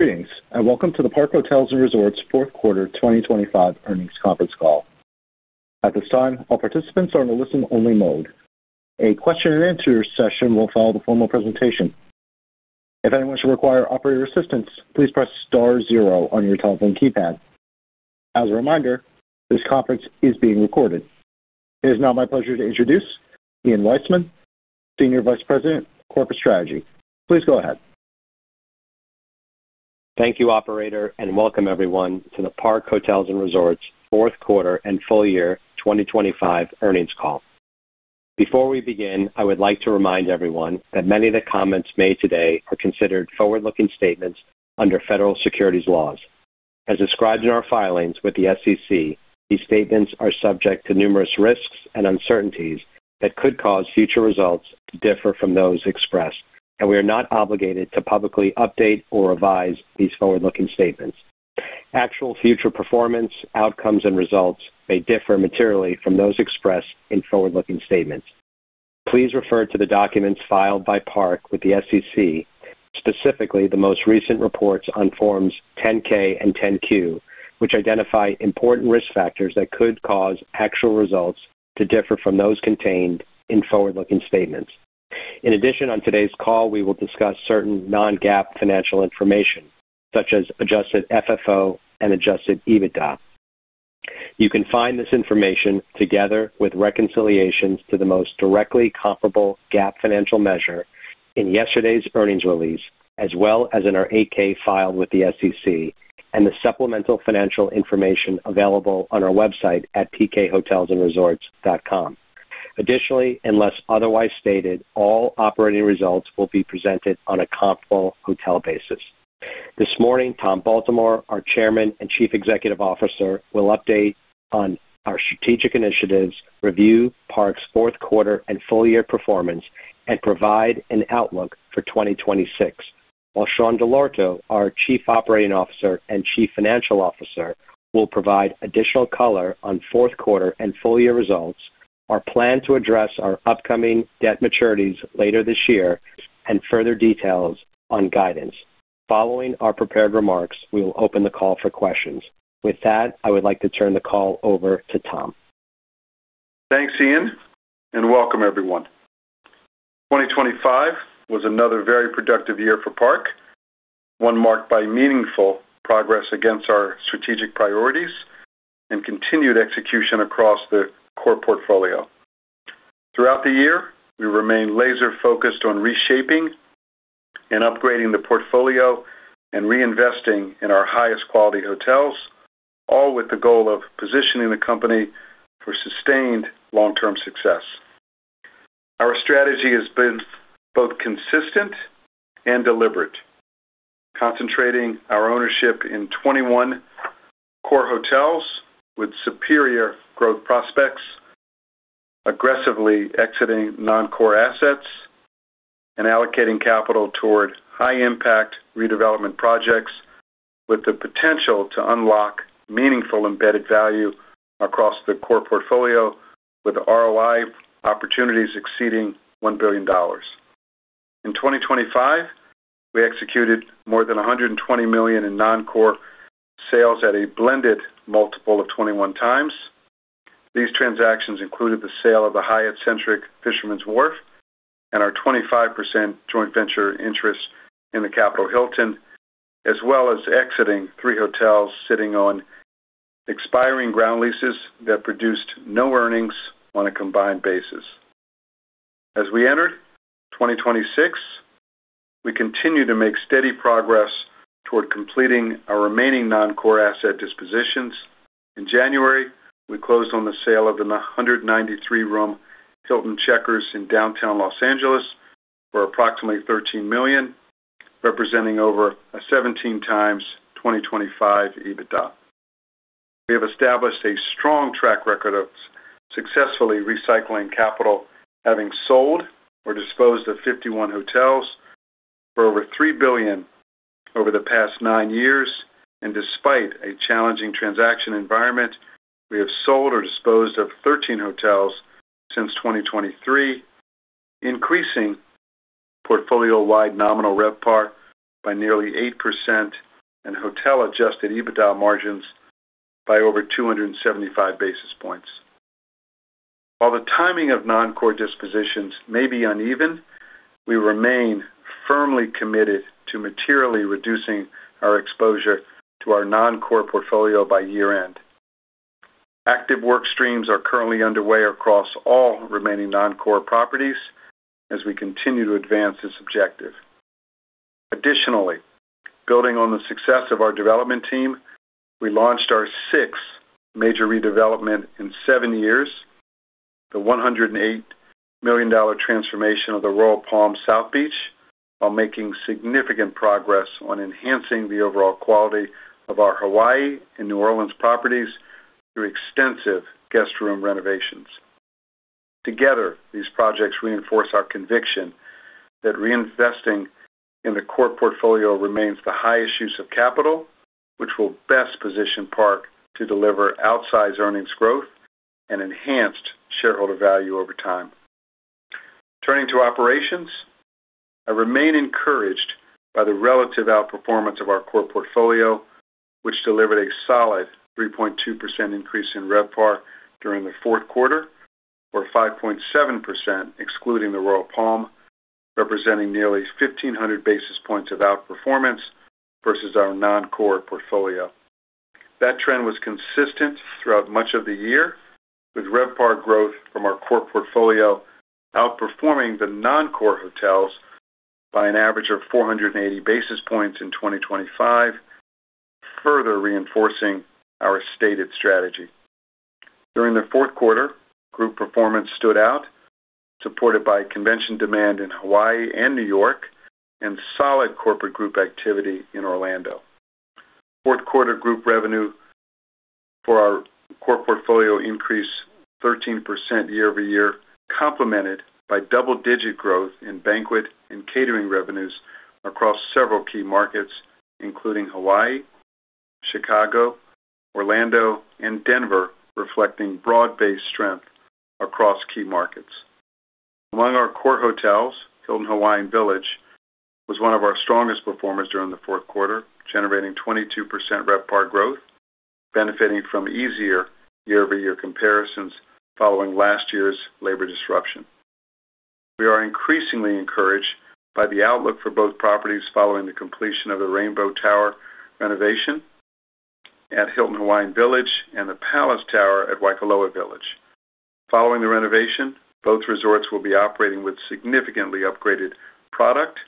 Greetings, and welcome to the Park Hotels & Resorts Q4 2025 Earnings Conference Call. At this time, all participants are in a listen-only mode. A question and answer session will follow the formal presentation. If anyone should require operator assistance, please press star zero on your telephone keypad. As a reminder, this conference is being recorded. It is now my pleasure to introduce Ian Weissman, Senior Vice President, Corporate Strategy. Please go ahead. Thank you, operator, and welcome everyone to the Park Hotels & Resorts Q4 and full year 2025 Earnings Call. Before we begin, I would like to remind everyone that many of the comments made today are considered forward-looking statements under federal securities laws. As described in our filings with the SEC, these statements are subject to numerous risks and uncertainties that could cause future results to differ from those expressed, and we are not obligated to publicly update or revise these forward-looking statements. Actual future performance, outcomes, and results may differ materially from those expressed in forward-looking statements. Please refer to the documents filed by Park with the SEC, specifically the most recent reports on Forms 10-K and 10-Q, which identify important risk factors that could cause actual results to differ from those contained in forward-looking statements. In addition, on today's call, we will discuss certain non-GAAP financial information, such as adjusted FFO and adjusted EBITDA. You can find this information together with reconciliations to the most directly comparable GAAP financial measure in yesterday's earnings release, as well as in our 8-K file with the SEC and the supplemental financial information available on our website at pkhotelsandresorts.com. Additionally, unless otherwise stated, all operating results will be presented on a comparable hotel basis. This morning, Tom Baltimore, our Chairman and Chief Executive Officer, will update on our strategic initiatives, review Park's Q4 and full-year performance, and provide an outlook for 2026. While Sean Dell'Orto, our Chief Operating Officer and Chief Financial Officer, will provide additional color on Q4 and full-year results, our plan to address our upcoming debt maturities later this year, and further details on guidance. Following our prepared remarks, we will open the call for questions. With that, I would like to turn the call over to Tom. Thanks, Ian, and welcome everyone. 2025 was another very productive year for Park, one marked by meaningful progress against our strategic priorities and continued execution across the core portfolio. Throughout the year, we remained laser-focused on reshaping and upgrading the portfolio and reinvesting in our highest quality hotels, all with the goal of positioning the company for sustained long-term success. Our strategy has been both consistent and deliberate, concentrating our ownership in 21 core hotels with superior growth prospects, aggressively exiting non-core assets, and allocating capital toward high-impact redevelopment projects with the potential to unlock meaningful embedded value across the core portfolio, with ROI opportunities exceeding $1 billion. In 2025, we executed more than $120 million in non-core sales at a blended multiple of 21x. These transactions included the sale of the Hyatt Centric Fisherman's Wharf and our 25% joint venture interest in the Capital Hilton, as well as exiting three hotels sitting on expiring ground leases that produced no earnings on a combined basis. As we enter 2026, we continue to make steady progress toward completing our remaining non-core asset dispositions. In January, we closed on the sale of the 193-room Hilton Checkers in downtown Los Angeles for approximately $13 million, representing over a 17x 2025 EBITDA. We have established a strong track record of successfully recycling capital, having sold or disposed of 51 hotels for over $3 billion over the past 9 years. Despite a challenging transaction environment, we have sold or disposed of 13 hotels since 2023, increasing portfolio-wide nominal RevPAR by nearly 8% and hotel-adjusted EBITDA margins by over 275 basis points. While the timing of non-core dispositions may be uneven, we remain firmly committed to materially reducing our exposure to our non-core portfolio by year-end. Active work streams are currently underway across all remaining non-core properties as we continue to advance this objective. Additionally, building on the success of our development team, we launched our sixth major redevelopment in 7 years, the $108 million transformation of the Royal Palm South Beach, while making significant progress on enhancing the overall quality of our Hawaii and New Orleans properties through extensive guest room renovations. Together, these projects reinforce our conviction that reinvesting in the core portfolio remains the highest use of capital, which will best position Park to deliver outsized earnings growth and enhanced shareholder value over time. Turning to operations. I remain encouraged by the relative outperformance of our core portfolio, which delivered a solid 3.2% increase in RevPAR during the Q4, or 5.7%, excluding the Royal Palm, representing nearly 1,500 basis points of outperformance versus our non-core portfolio. That trend was consistent throughout much of the year, with RevPAR growth from our core portfolio outperforming the non-core hotels by an average of 480 basis points in 2025, further reinforcing our stated strategy. During the Q4, group performance stood out, supported by convention demand in Hawaii and New York, and solid corporate group activity in Orlando. Q4 group revenue for our core portfolio increased 13% year-over-year, complemented by double-digit growth in banquet and catering revenues across several key markets, including Hawaii, Chicago, Orlando, and Denver, reflecting broad-based strength across key markets. Among our core hotels, Hilton Hawaiian Village was one of our strongest performers during the Q4, generating 22% RevPAR growth, benefiting from easier year-over-year comparisons following last year's labor disruption. We are increasingly encouraged by the outlook for both properties following the completion of the Rainbow Tower renovation at Hilton Hawaiian Village and the Palace Tower at Waikoloa Village. Following the renovation, both resorts will be operating with significantly upgraded product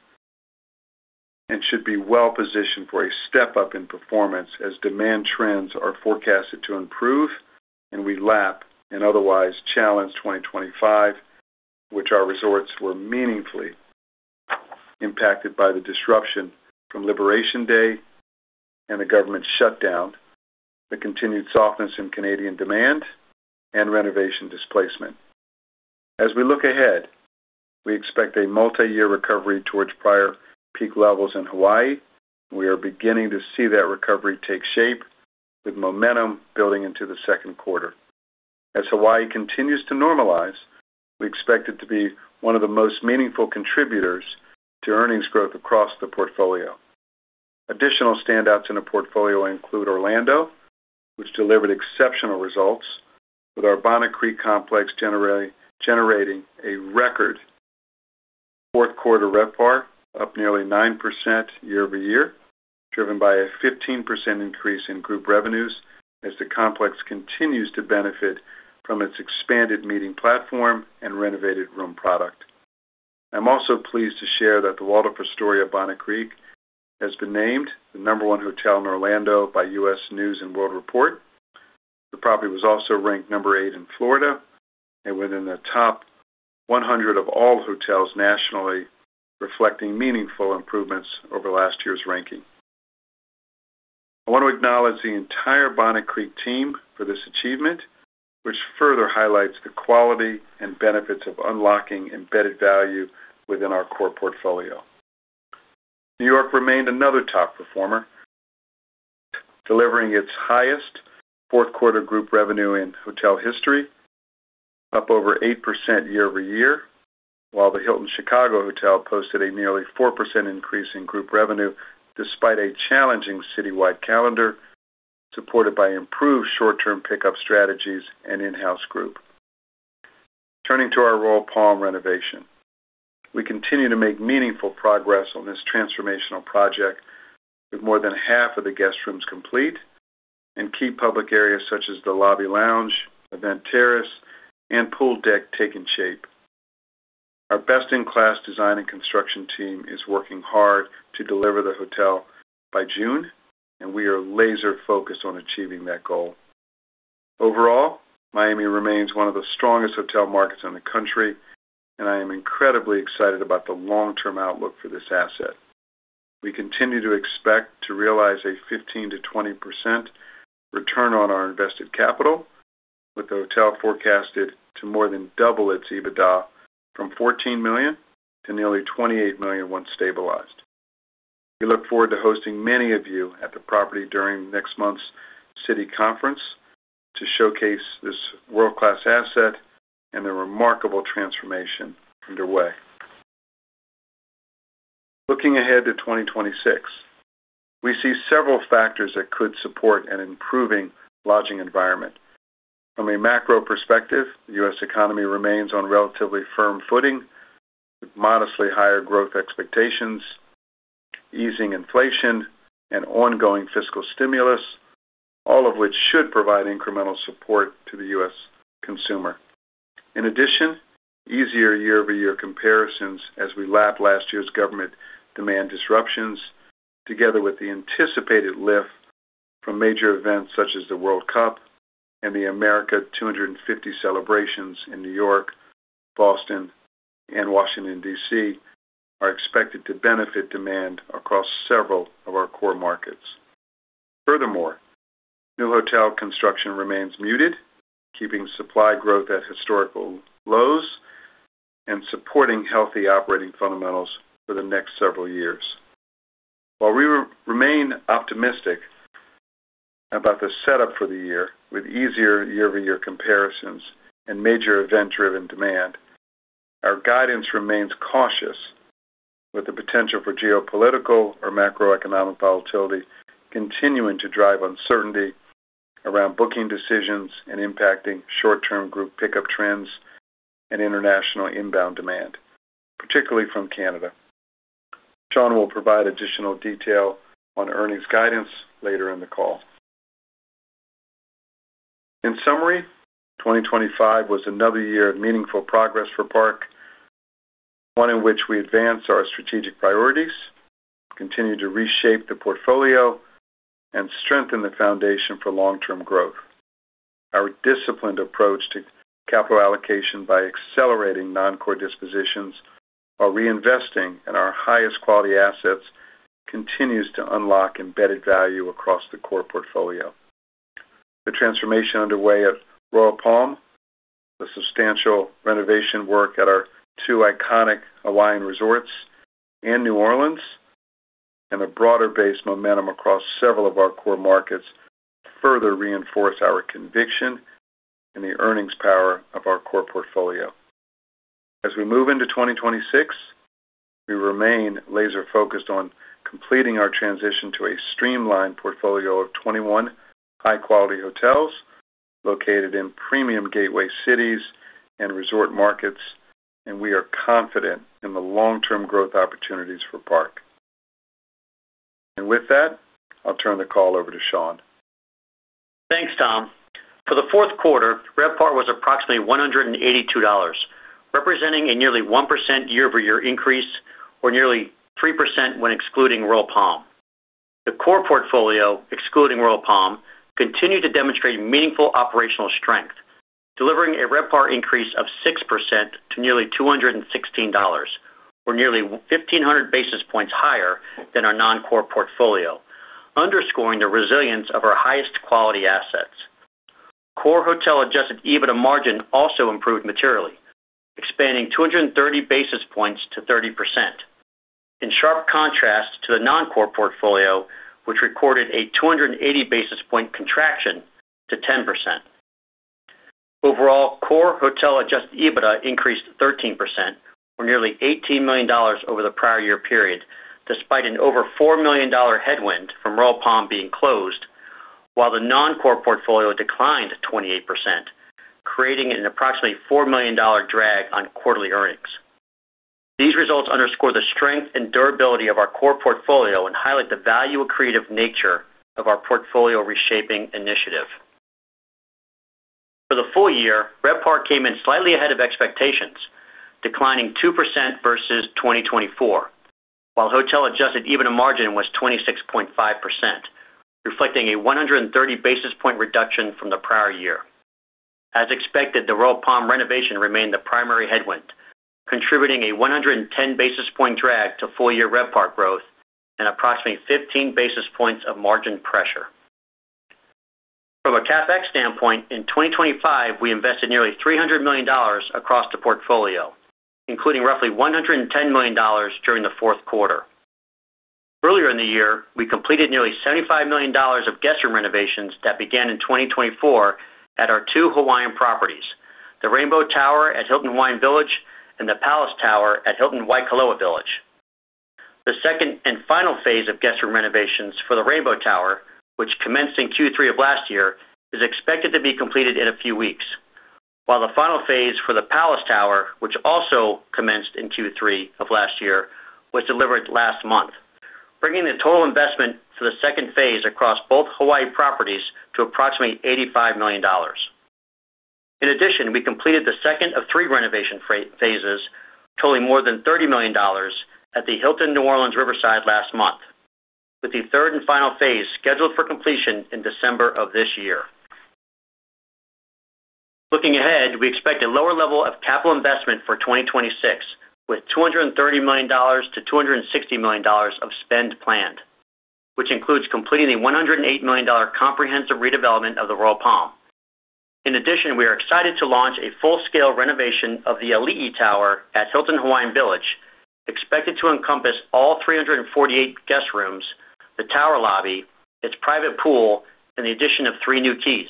and should be well positioned for a step-up in performance as demand trends are forecasted to improve, and we lap an otherwise challenged 2025, which our resorts were meaningfully impacted by the disruption from Labor Day and the government shutdown, the continued softness in Canadian demand, and renovation displacement. As we look ahead, we expect a multiyear recovery towards prior peak levels in Hawaii. We are beginning to see that recovery take shape, with momentum building into the Q2. As Hawaii continues to normalize, we expect it to be one of the most meaningful contributors to earnings growth across the portfolio. Additional standouts in the portfolio include Orlando, which delivered exceptional results, with our Bonnet Creek complex generating a record Q4 RevPAR, up nearly 9% year-over-year, driven by a 15% increase in group revenues as the complex continues to benefit from its expanded meeting platform and renovated room product. I'm also pleased to share that the Waldorf Astoria Bonnet Creek has been named the number one hotel in Orlando by U.S. News & World Report. The property was also ranked number eight in Florida and within the top 100 of all hotels nationally, reflecting meaningful improvements over last year's ranking. I want to acknowledge the entire Bonnet Creek team for this achievement, which further highlights the quality and benefits of unlocking embedded value within our core portfolio. New York remained another top performer, delivering its highest Q4 group revenue in hotel history, up over 8% year-over-year, while the Hilton Chicago hotel posted a nearly 4% increase in group revenue, despite a challenging citywide calendar supported by improved short-term pickup strategies and in-house group. Turning to our Royal Palm renovation. We continue to make meaningful progress on this transformational project, with more than half of the guest rooms complete and key public areas such as the lobby lounge, event terrace, and pool deck taking shape. Our best-in-class design and construction team is working hard to deliver the hotel by June, and we are laser focused on achieving that goal. Overall, Miami remains one of the strongest hotel markets in the country, and I am incredibly excited about the long-term outlook for this asset. We continue to expect to realize a 15%-20% return on our invested capital, with the hotel forecasted to more than double its EBITDA from $14 million to nearly $28 million once stabilized. We look forward to hosting many of you at the property during next month's Citi conference to showcase this world-class asset and the remarkable transformation underway. Looking ahead to 2026, we see several factors that could support an improving lodging environment. From a macro perspective, the U.S. economy remains on relatively firm footing, with modestly higher growth expectations, easing inflation, and ongoing fiscal stimulus, all of which should provide incremental support to the U.S. consumer. In addition, easier year-over-year comparisons as we lap last year's government demand disruptions, together with the anticipated lift from major events such as the World Cup and the America250 celebrations in New York, Boston, and Washington, D.C., are expected to benefit demand across several of our core markets. Furthermore, new hotel construction remains muted, keeping supply growth at historical lows and supporting healthy operating fundamentals for the next several years. While we remain optimistic about the setup for the year, with easier year-over-year comparisons and major event-driven demand. Our guidance remains cautious, with the potential for geopolitical or macroeconomic volatility continuing to drive uncertainty around booking decisions and impacting short-term group pickup trends and international inbound demand, particularly from Canada. Sean will provide additional detail on earnings guidance later in the call. In summary, 2025 was another year of meaningful progress for Park, one in which we advanced our strategic priorities, continued to reshape the portfolio, and strengthen the foundation for long-term growth. Our disciplined approach to capital allocation by accelerating non-core dispositions while reinvesting in our highest quality assets, continues to unlock embedded value across the core portfolio. The transformation underway at Royal Palm, the substantial renovation work at our two iconic Hawaiian resorts in New Orleans, and a broader base momentum across several of our core markets, further reinforce our conviction in the earnings power of our core portfolio. As we move into 2026, we remain laser focused on completing our transition to a streamlined portfolio of 21 high quality hotels located in premium gateway cities and resort markets, and we are confident in the long-term growth opportunities for Park. With that, I'll turn the call over to Sean. Thanks, Tom. For the Q4, RevPAR was approximately $182, representing a nearly 1% year-over-year increase, or nearly 3% when excluding Royal Palm. The core portfolio, excluding Royal Palm, continued to demonstrate meaningful operational strength, delivering a RevPAR increase of 6% to nearly $216, or nearly 1,500 basis points higher than our non-core portfolio, underscoring the resilience of our highest quality assets. Core hotel Adjusted EBITDA margin also improved materially, expanding 230 basis points to 30%, in sharp contrast to the non-core portfolio, which recorded a 280 basis point contraction to 10%. Overall, core hotel adjusted EBITDA increased 13%, or nearly $18 million over the prior year period, despite an over $4 million headwind from Royal Palm being closed, while the non-core portfolio declined 28%, creating an approximately $4 million drag on quarterly earnings. These results underscore the strength and durability of our core portfolio and highlight the value-accretive nature of our portfolio reshaping initiative. For the full year, RevPAR came in slightly ahead of expectations, declining 2% versus 2024, while hotel adjusted EBITDA margin was 26.5%, reflecting a 130 basis points reduction from the prior year. As expected, the Royal Palm renovation remained the primary headwind, contributing a 110 basis points drag to full-year RevPAR growth and approximately 15 basis points of margin pressure. From a CapEx standpoint, in 2025, we invested nearly $300 million across the portfolio, including roughly $110 million during the Q4. Earlier in the year, we completed nearly $75 million of guest room renovations that began in 2024 at our two Hawaiian properties, the Rainbow Tower at Hilton Hawaiian Village and the Palace Tower at Hilton Waikoloa Village. The second and final phase of guest room renovations for the Rainbow Tower, which commenced in Q3 of last year, is expected to be completed in a few weeks, while the final phase for the Palace Tower, which also commenced in Q3 of last year, was delivered last month, bringing the total investment for the second phase across both Hawaii properties to approximately $85 million. In addition, we completed the second of three renovation phases, totaling more than $30 million at the Hilton New Orleans Riverside last month, with the third and final phase scheduled for completion in December of this year. Looking ahead, we expect a lower level of capital investment for 2026, with $230 million-$260 million of spend planned, which includes completing the $108 million comprehensive redevelopment of the Royal Palm. In addition, we are excited to launch a full-scale renovation of the Ali'i Tower at Hilton Hawaiian Village, expected to encompass all 348 guest rooms, the tower lobby, its private pool, and the addition of three new keys.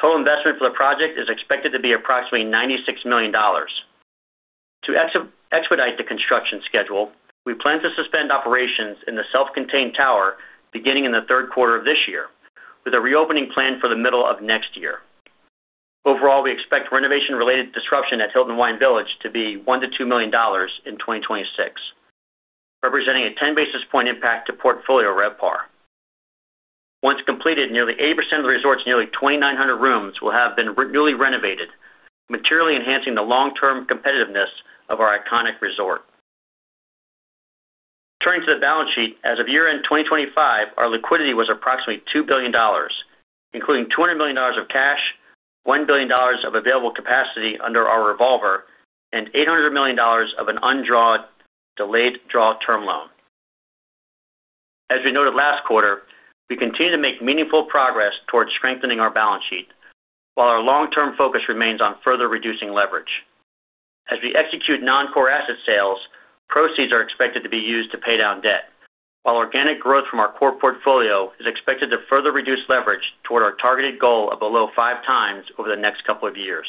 Total investment for the project is expected to be approximately $96 million. To expedite the construction schedule, we plan to suspend operations in the self-contained tower beginning in the Q3 of this year, with a reopening plan for the middle of next year. Overall, we expect renovation-related disruption at Hilton Hawaiian Village to be $1 million-$2 million in 2026, representing a 10 basis points impact to portfolio RevPAR. Once completed, nearly 80% of the resort's nearly 2,900 rooms will have been newly renovated, materially enhancing the long-term competitiveness of our iconic resort. Turning to the balance sheet, as of year-end 2025, our liquidity was approximately $2 billion, including $200 million of cash, $1 billion of available capacity under our revolver, and $800 million of an undrawn delayed draw term loan. As we noted last quarter, we continue to make meaningful progress towards strengthening our balance sheet, while our long-term focus remains on further reducing leverage. As we execute non-core asset...... proceeds are expected to be used to pay down debt, while organic growth from our core portfolio is expected to further reduce leverage toward our targeted goal of below 5x over the next couple of years.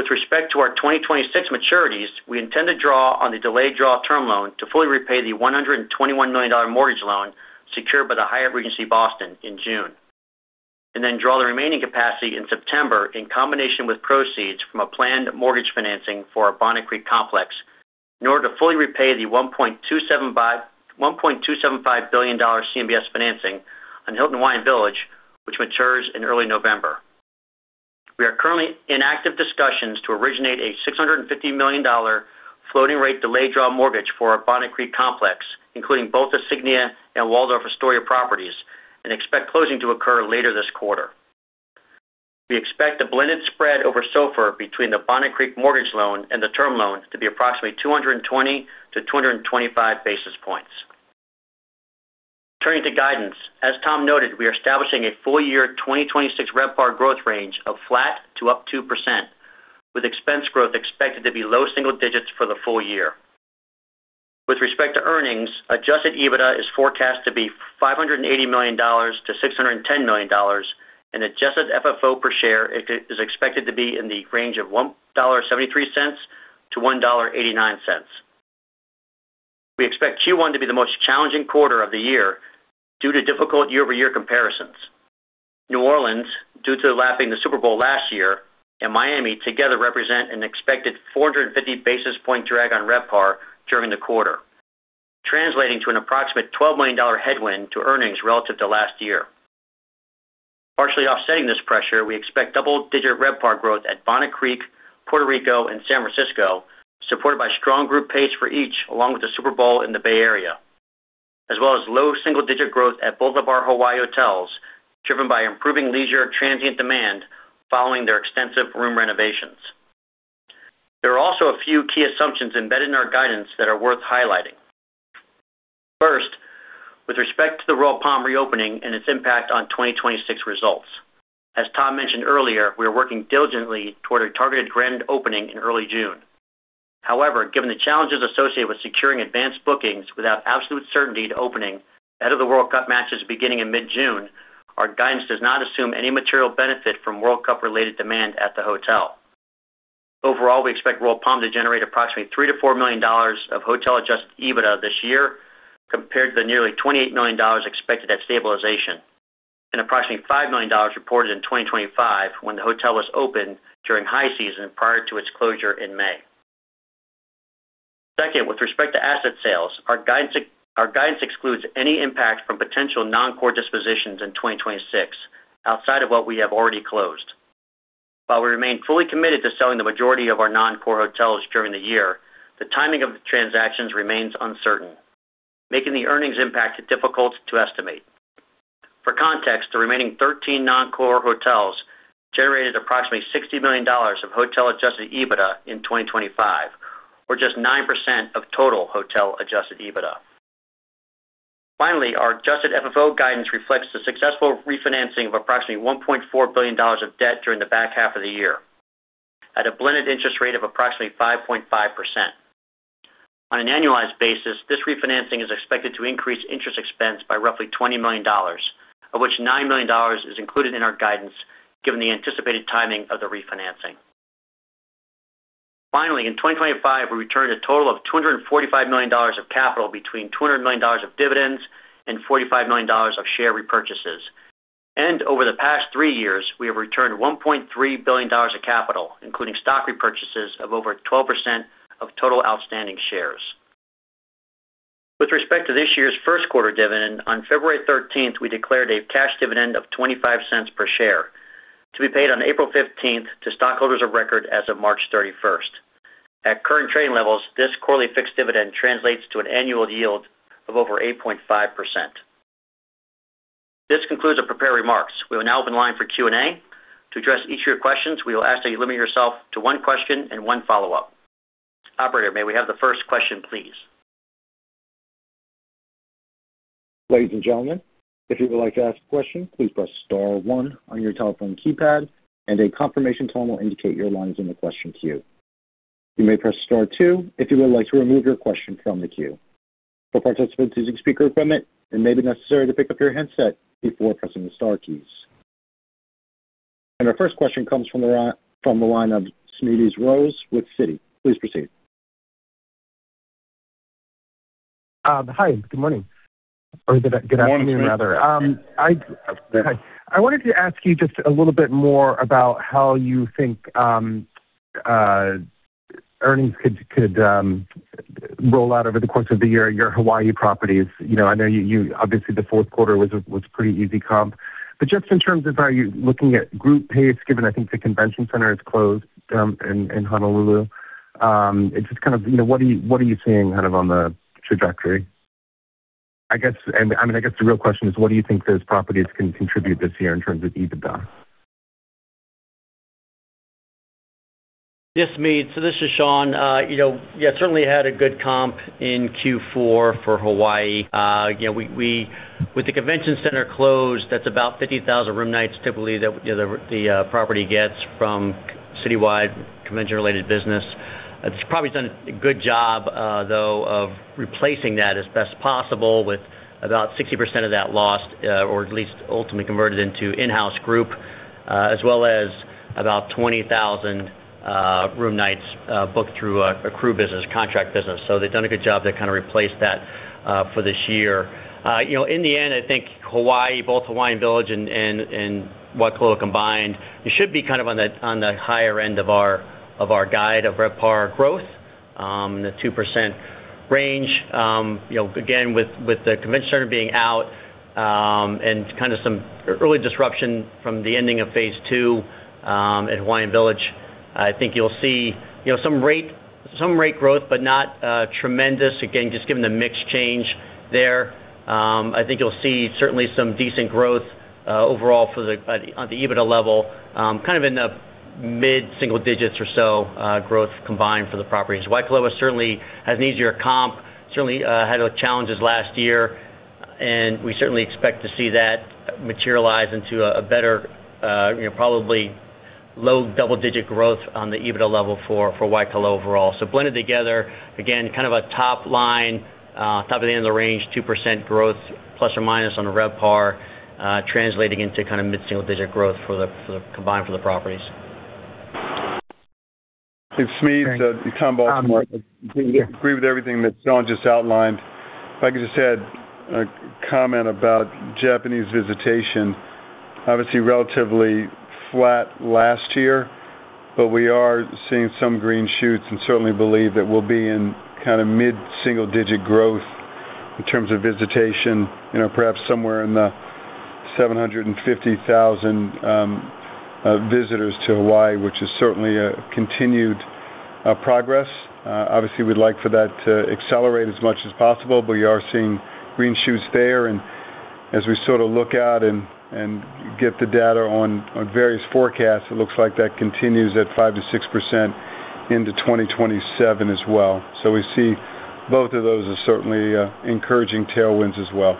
With respect to our 2026 maturities, we intend to draw on the delayed draw term loan to fully repay the $121 million mortgage loan secured by the Hyatt Regency Boston in June, and then draw the remaining capacity in September, in combination with proceeds from a planned mortgage financing for our Bonnet Creek complex, in order to fully repay the $1.275 billion CMBS financing on Hilton Hawaiian Village, which matures in early November. We are currently in active discussions to originate a $650 million floating rate delayed draw mortgage for our Bonnet Creek complex, including both the Signia and Waldorf Astoria properties, and expect closing to occur later this quarter. We expect a blended spread over SOFR between the Bonnet Creek mortgage loan and the term loan to be approximately 220-225 basis points. Turning to guidance, as Tom noted, we are establishing a full year 2026 RevPAR growth range of flat to +2%, with expense growth expected to be low single digits for the full year. With respect to earnings, adjusted EBITDA is forecast to be $580 million-$610 million, and adjusted FFO per share is expected to be in the range of $1.73-$1.89. We expect Q1 to be the most challenging quarter of the year due to difficult year-over-year comparisons. New Orleans, due to lapping the Super Bowl last year, and Miami, together, represent an expected 450 basis points drag on RevPAR during the quarter, translating to an approximate $12 million headwind to earnings relative to last year. Partially offsetting this pressure, we expect double-digit RevPAR growth at Bonnet Creek, Puerto Rico, and San Francisco, supported by strong group pace for each, along with the Super Bowl in the Bay Area, as well as low single-digit growth at both of our Hawaii hotels, driven by improving leisure transient demand following their extensive room renovations. There are also a few key assumptions embedded in our guidance that are worth highlighting. First, with respect to the Royal Palm reopening and its impact on 2026 results. As Tom mentioned earlier, we are working diligently toward a targeted grand opening in early June. However, given the challenges associated with securing advanced bookings without absolute certainty to opening ahead of the World Cup matches beginning in mid-June, our guidance does not assume any material benefit from World Cup-related demand at the hotel. Overall, we expect Royal Palm to generate approximately $3-$4 million of hotel Adjusted EBITDA this year, compared to the nearly $28 million expected at stabilization and approximately $5 million reported in 2025 when the hotel was opened during high season prior to its closure in May. Second, with respect to asset sales, our guidance excludes any impact from potential non-core dispositions in 2026 outside of what we have already closed. While we remain fully committed to selling the majority of our non-core hotels during the year, the timing of the transactions remains uncertain, making the earnings impact difficult to estimate. For context, the remaining 13 non-core hotels generated approximately $60 million of hotel Adjusted EBITDA in 2025, or just 9% of total hotel Adjusted EBITDA. Finally, our Adjusted FFO guidance reflects the successful refinancing of approximately $1.4 billion of debt during the back half of the year at a blended interest rate of approximately 5.5%. On an annualized basis, this refinancing is expected to increase interest expense by roughly $20 million, of which $9 million is included in our guidance, given the anticipated timing of the refinancing. Finally, in 2025, we returned a total of $245 million of capital between $200 million of dividends and $45 million of share repurchases. Over the past three years, we have returned $1.3 billion of capital, including stock repurchases of over 12% of total outstanding shares. With respect to this year's Q1 dividend, on February thirteenth, we declared a cash dividend of $0.25 per share, to be paid on April fifteenth to stockholders of record as of March thirty-first. At current trading levels, this quarterly fixed dividend translates to an annual yield of over 8.5%. This concludes our prepared remarks. We will now open the line for Q&A. To address each of your questions, we will ask that you limit yourself to one question and one follow-up. Operator, may we have the first question, please? Ladies and gentlemen, if you would like to ask a question, please press star one on your telephone keypad and a confirmation tone will indicate your line is in the question queue. You may press star two if you would like to remove your question from the queue. For participants using speaker equipment, it may be necessary to pick up your handset before pressing the star keys. Our first question comes from the line, from the line of Smedes Rose with Citi. Please proceed. Hi, good morning, or good afternoon, rather. I wanted to ask you just a little bit more about how you think earnings could roll out over the course of the year at your Hawaii properties. You know, I know you obviously the Q4 was pretty easy comp, but just in terms of are you looking at group pace, given I think the convention center is closed in Honolulu, it's just kind of, you know, what are you seeing kind of on the trajectory? I guess, and I mean, I guess the real question is: What do you think those properties can contribute this year in terms of EBITDA? Yes, Smedes, so this is Sean. You know, yeah, certainly had a good comp in Q4 for Hawaii. You know, we—with the convention center closed, that's about 50,000 room nights typically, that the property gets from citywide convention-related business. It's probably done a good job, though, of replacing that as best possible, with about 60% of that lost, or at least ultimately converted into in-house group, as well as about 20,000 room nights booked through a crew business, contract business. So they've done a good job to kind of replace that, for this year. You know, in the end, I think Hawaii, both Hawaiian Village and Waikoloa combined, they should be kind of on the higher end of our guide of RevPAR growth in the 2% range. You know, again, with the convention center being out and kind of some early disruption from the ending of phase two at Hawaiian Village, I think you'll see, you know, some rate growth, but not tremendous. Again, just given the mix change there. I think you'll see certainly some decent growth overall on the EBITDA level kind of in the mid-single digits or so growth combined for the properties. Waikoloa certainly has an easier comp, certainly, had challenges last year, and we certainly expect to see that materialize into a better, you know, probably low double-digit growth on the EBITDA level for Waikoloa overall. So blended together, again, kind of a top line, top of the end of the range, 2% growth ± on the RevPAR, translating into kind of mid-single-digit growth for the combined for the properties. It's me, Tom Baltimore. I agree with everything that Sean just outlined. If I could just add a comment about Japanese visitation. Obviously, relatively flat last year, but we are seeing some green shoots and certainly believe that we'll be in kind of mid-single-digit growth in terms of visitation, you know, perhaps somewhere in the 750,000 visitors to Hawaii, which is certainly a continued progress. Obviously, we'd like for that to accelerate as much as possible, but we are seeing green shoots there. And as we sort of look out and get the data on various forecasts, it looks like that continues at 5%-6% into 2027 as well. So we see both of those as certainly encouraging tailwinds as well.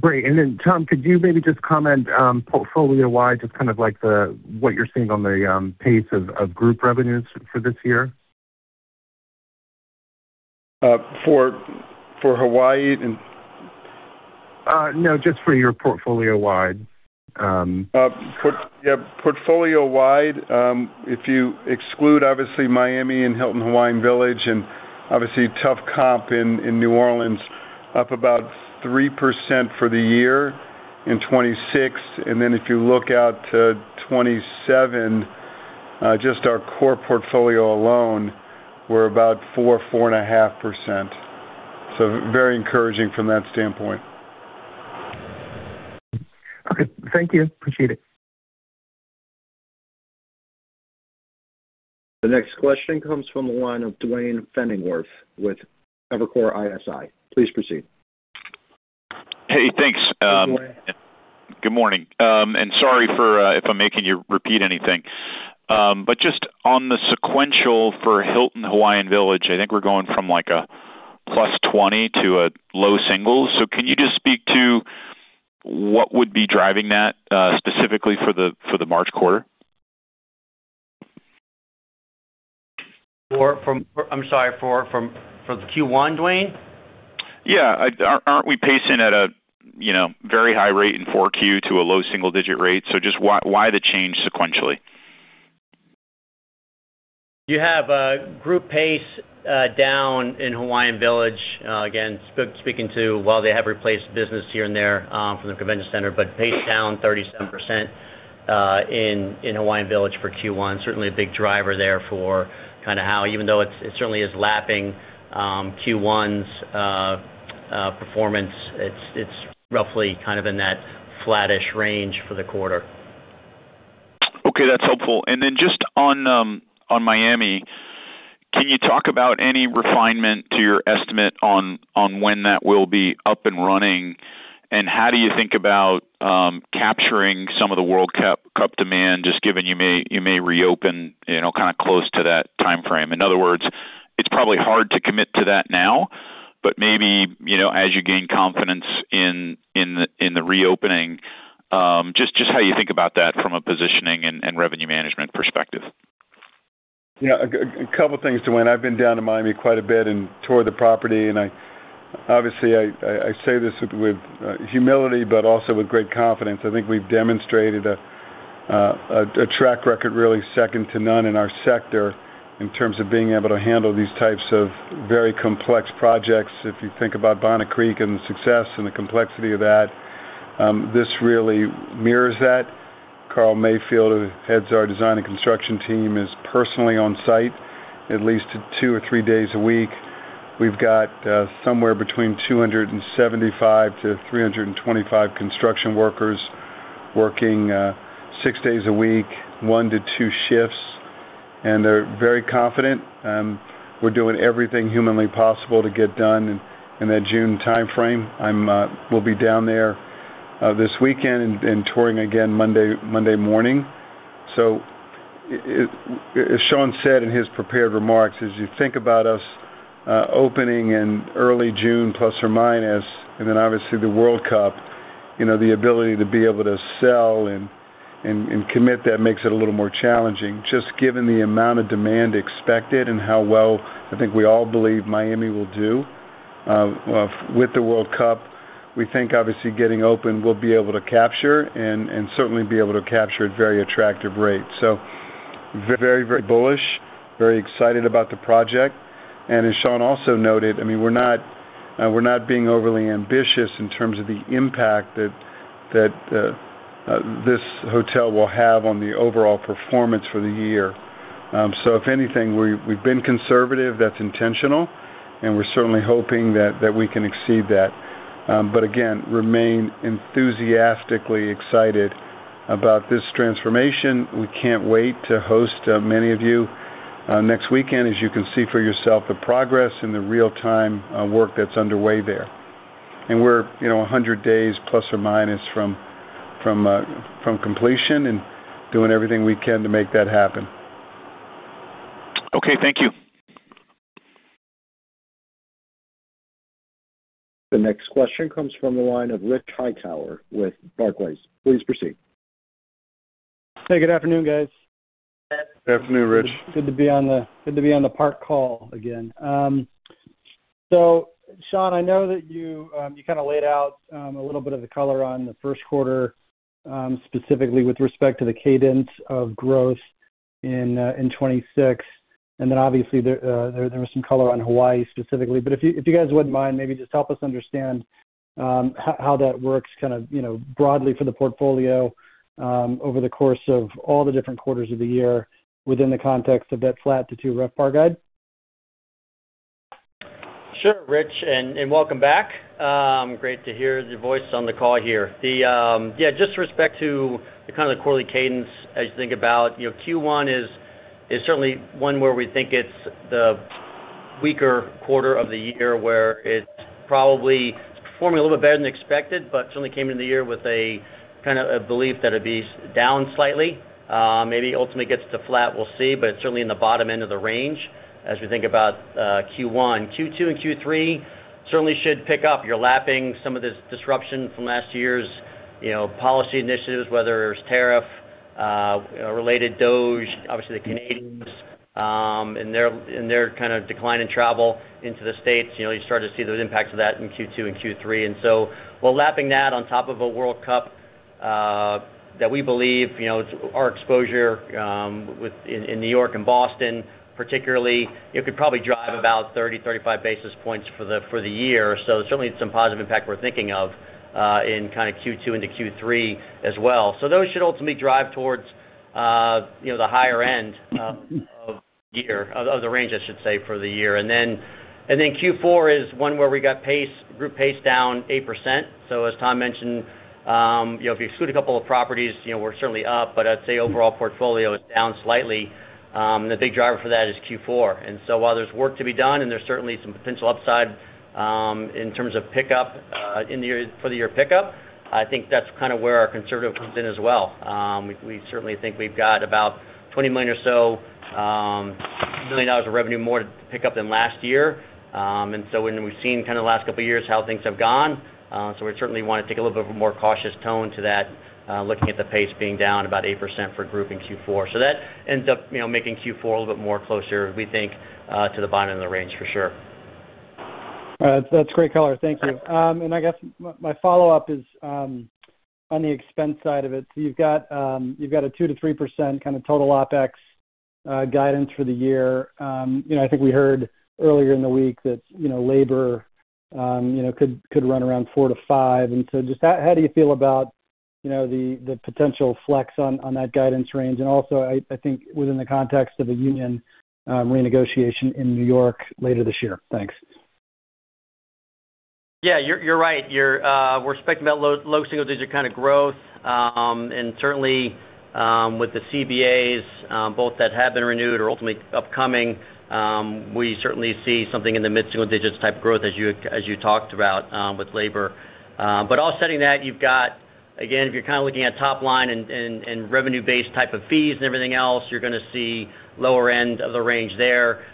Great. And then, Tom, could you maybe just comment, portfolio-wide, just kind of like the, what you're seeing on the, pace of group revenues for this year? for Hawaii and? No, just for your portfolio-wide, Portfolio-wide, if you exclude, obviously, Miami and Hilton Hawaiian Village, and obviously tough comp in New Orleans, up about 3% for the year in 2026. And then if you look out to 2027, just our core portfolio alone, we're about 4-4.5%. So very encouraging from that standpoint. Okay, thank you. Appreciate it. The next question comes from the line of Duane Pfennigwerth with Evercore ISI. Please proceed. Hey, thanks, Good morning. Good morning. And sorry for if I'm making you repeat anything. But just on the sequential for Hilton Hawaiian Village, I think we're going from, like, a +20 to a low single. So can you just speak to what would be driving that, specifically for the March quarter? I'm sorry, for the Q1, Duane? Yeah. Aren't we pacing at a, you know, very high rate in 4Q to a low single-digit rate? So just why the change sequentially? You have a group pace down in Hawaiian Village. Again, speaking to, while they have replaced business here and there from the convention center, but pace down 37% in Hawaiian Village for Q1. Certainly, a big driver there for kind of how... Even though it's, it certainly is lapping Q1's performance, it's roughly kind of in that flattish range for the quarter. Okay, that's helpful. And then just on, on Miami, can you talk about any refinement to your estimate on, on when that will be up and running? And how do you think about, capturing some of the World Cup demand, just given you may, you may reopen, you know, kind of close to that timeframe? In other words, it's probably hard to commit to that now, but maybe, you know, as you gain confidence in, in the, in the reopening, just, just how you think about that from a positioning and, and revenue management perspective. Yeah. A couple things, Duane. I've been down to Miami quite a bit and toured the property, and I, obviously, I say this with, uh, humility, but also with great confidence. I think we've demonstrated a track record really second to none in our sector in terms of being able to handle these types of very complex projects. If you think about Bonnet Creek and the success and the complexity of that, this really mirrors that. Carl Mayfield, who heads our design and construction team, is personally on site at least two or three days a week. We've got somewhere between 275 and 325 construction workers working six days a week, one to two shifts, and they're very confident. We're doing everything humanly possible to get done in that June timeframe. I will be down there this weekend and touring again Monday morning. As Sean said in his prepared remarks, as you think about us opening in early June, plus or minus, and then obviously the World Cup, you know, the ability to be able to sell and commit, that makes it a little more challenging. Just given the amount of demand expected and how well I think we all believe Miami will do with the World Cup, we think obviously getting open, we'll be able to capture and certainly be able to capture at very attractive rates. So very, very bullish, very excited about the project. And as Sean also noted, I mean, we're not being overly ambitious in terms of the impact that this hotel will have on the overall performance for the year. So if anything, we, we've been conservative, that's intentional, and we're certainly hoping that we can exceed that. But again, remain enthusiastically excited about this transformation. We can't wait to host many of you next weekend, as you can see for yourself, the progress and the real-time work that's underway there. And we're, you know, 100 days, plus or minus, from completion and doing everything we can to make that happen. Okay, thank you. The next question comes from the line of Rich Hightower with Barclays. Please proceed. Hey, good afternoon, guys. Afternoon, Rich. Good to be on the Park call again. So Sean, I know that you kind of laid out a little bit of the color on the Q1, specifically with respect to the cadence of growth in 2026, and then obviously, there was some color on Hawaii specifically. But if you guys wouldn't mind, maybe just help us understand how that works kind of, you know, broadly for the portfolio, over the course of all the different quarters of the year within the context of that flat to 2 RevPAR guide. Sure, Rich, and welcome back. Great to hear your voice on the call here. The, yeah, just with respect to the kind of the quarterly cadence as you think about, you know, Q1 is certainly one where we think it's the weaker quarter of the year, where it's probably performing a little bit better than expected, but certainly came into the year with a, kind of a belief that it'd be down slightly. Maybe ultimately gets to flat, we'll see, but it's certainly in the bottom end of the range as we think about, Q1. Q2 and Q3 certainly should pick up. You're lapping some of this disruption from last year's, you know, policy initiatives, whether it's tariff related, DOGE, obviously, the Canadians, and their kind of decline in travel into the States. You know, you start to see those impacts of that in Q2 and Q3. And so while lapping that on top of a World Cup that we believe, you know, our exposure with in New York and Boston, particularly, it could probably drive about 30-35 basis points for the year. So certainly some positive impact we're thinking of in kind of Q2 into Q3 as well. So those should ultimately drive towards, you know, the higher end of the range, I should say, for the year. And then Q4 is one where we got pace, group pace down 8%. So as Tom mentioned, you know, if you exclude a couple of properties, you know, we're certainly up, but I'd say overall portfolio is down slightly. The big driver for that is Q4. While there's work to be done, and there's certainly some potential upside, in terms of pickup, in the year, for the year pickup, I think that's kind of where our conservative comes in as well. We certainly think we've got about $20 million or so, million dollars of revenue, more to pick up than last year. And so when we've seen kind of the last couple of years how things have gone, so we certainly want to take a little bit of a more cautious tone to that, looking at the pace being down about 8% for group in Q4. So that ends up, you know, making Q4 a little bit more closer, we think, to the bottom of the range for sure. All right. That's great color. Thank you. And I guess my, my follow-up is, on the expense side of it. So you've got, you've got a 2%-3% kind of total OpEx guidance for the year. You know, I think we heard earlier in the week that, you know, labor, you know, could, could run around 4%-5%. And so just how, how do you feel about, you know, the, the potential flex on, on that guidance range? And also, I, I think within the context of the union, renegotiation in New York later this year. Thanks. Yeah, you're right. You're, we're expecting about low single digit kind of growth, and certainly, with the CBAs, both that have been renewed or ultimately upcoming, we certainly see something in the mid-single digits type growth as you talked about, with labor. But all setting that, you've got, again, if you're kind of looking at top line and revenue-based type of fees and everything else, you're gonna see lower end of the range there.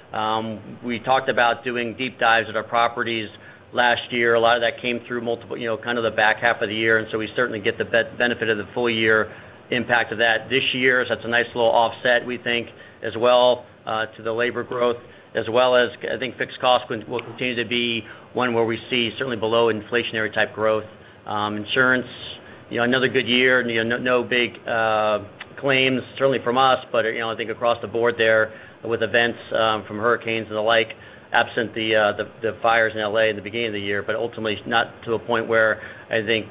We talked about doing deep dives at our properties last year. A lot of that came through multiple, you know, kind of the back half of the year, and so we certainly get the benefit of the full year impact of that this year. So that's a nice little offset, we think, as well, to the labor growth, as well as, I think fixed costs will continue to be one where we see certainly below inflationary type growth. Insurance, you know, another good year, and, you know, no big claims, certainly from us, but, you know, I think across the board there with events from hurricanes and the like, absent the fires in LA in the beginning of the year, but ultimately not to a point where I think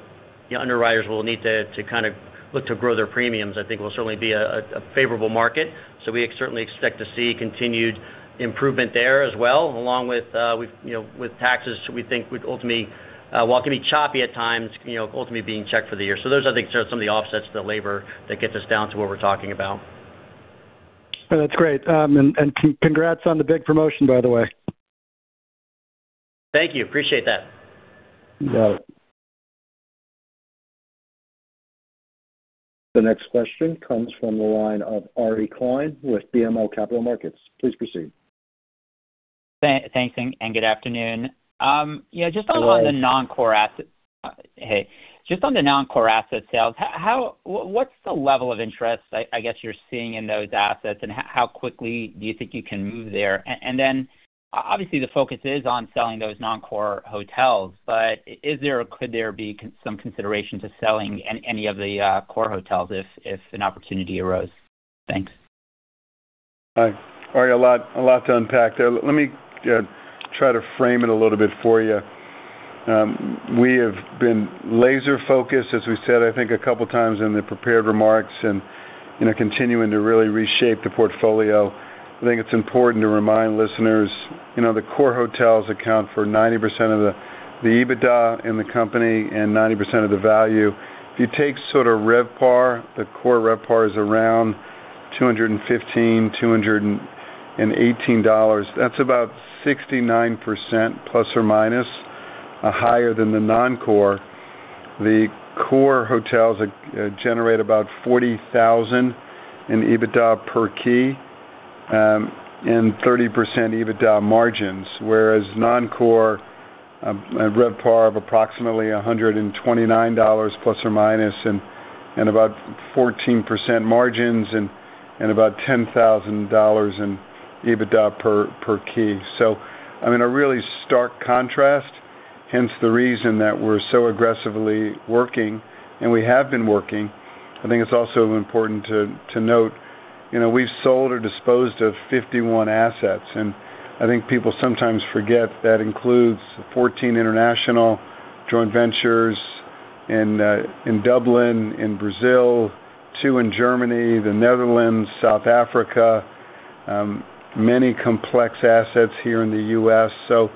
the underwriters will need to kind of look to grow their premiums. I think we'll certainly be a favorable market, so we certainly expect to see continued improvement there as well, along with, with, you know, with taxes, we think would ultimately, while it can be choppy at times, you know, ultimately being checked for the year. So those, I think, are some of the offsets to the labor that gets us down to what we're talking about. That's great. And congrats on the big promotion, by the way. Thank you. Appreciate that. You got it. The next question comes from the line of Ari Klein with BMO Capital Markets. Please proceed. Thanks, and good afternoon. Yeah, just on- Hello. On the non-core asset... Hey. Just on the non-core asset sales, how, what's the level of interest, I guess, you're seeing in those assets, and how quickly do you think you can move there? And then, obviously, the focus is on selling those non-core hotels, but is there or could there be some consideration to selling any of the core hotels if an opportunity arose? Thanks. Hi, Ari. A lot, a lot to unpack there. Let me try to frame it a little bit for you. We have been laser-focused, as we said, I think a couple of times in the prepared remarks, and, you know, continuing to really reshape the portfolio. I think it's important to remind listeners, you know, the core hotels account for 90% of the EBITDA in the company and 90% of the value. If you take sort of RevPAR, the core RevPAR is around $215-$218. That's about 69%, plus or minus, higher than the non-core. The core hotels generate about 40,000 in EBITDA per key, and 30% EBITDA margins, whereas non-core, a RevPAR of approximately $129, ±, and about 14% margins and about $10,000 in EBITDA per key. So, I mean, a really stark contrast, hence the reason that we're so aggressively working, and we have been working. I think it's also important to note, you know, we've sold or disposed of 51 assets, and I think people sometimes forget that includes 14 international joint ventures in Dublin, in Brazil, two in Germany, the Netherlands, South Africa, many complex assets here in the US. So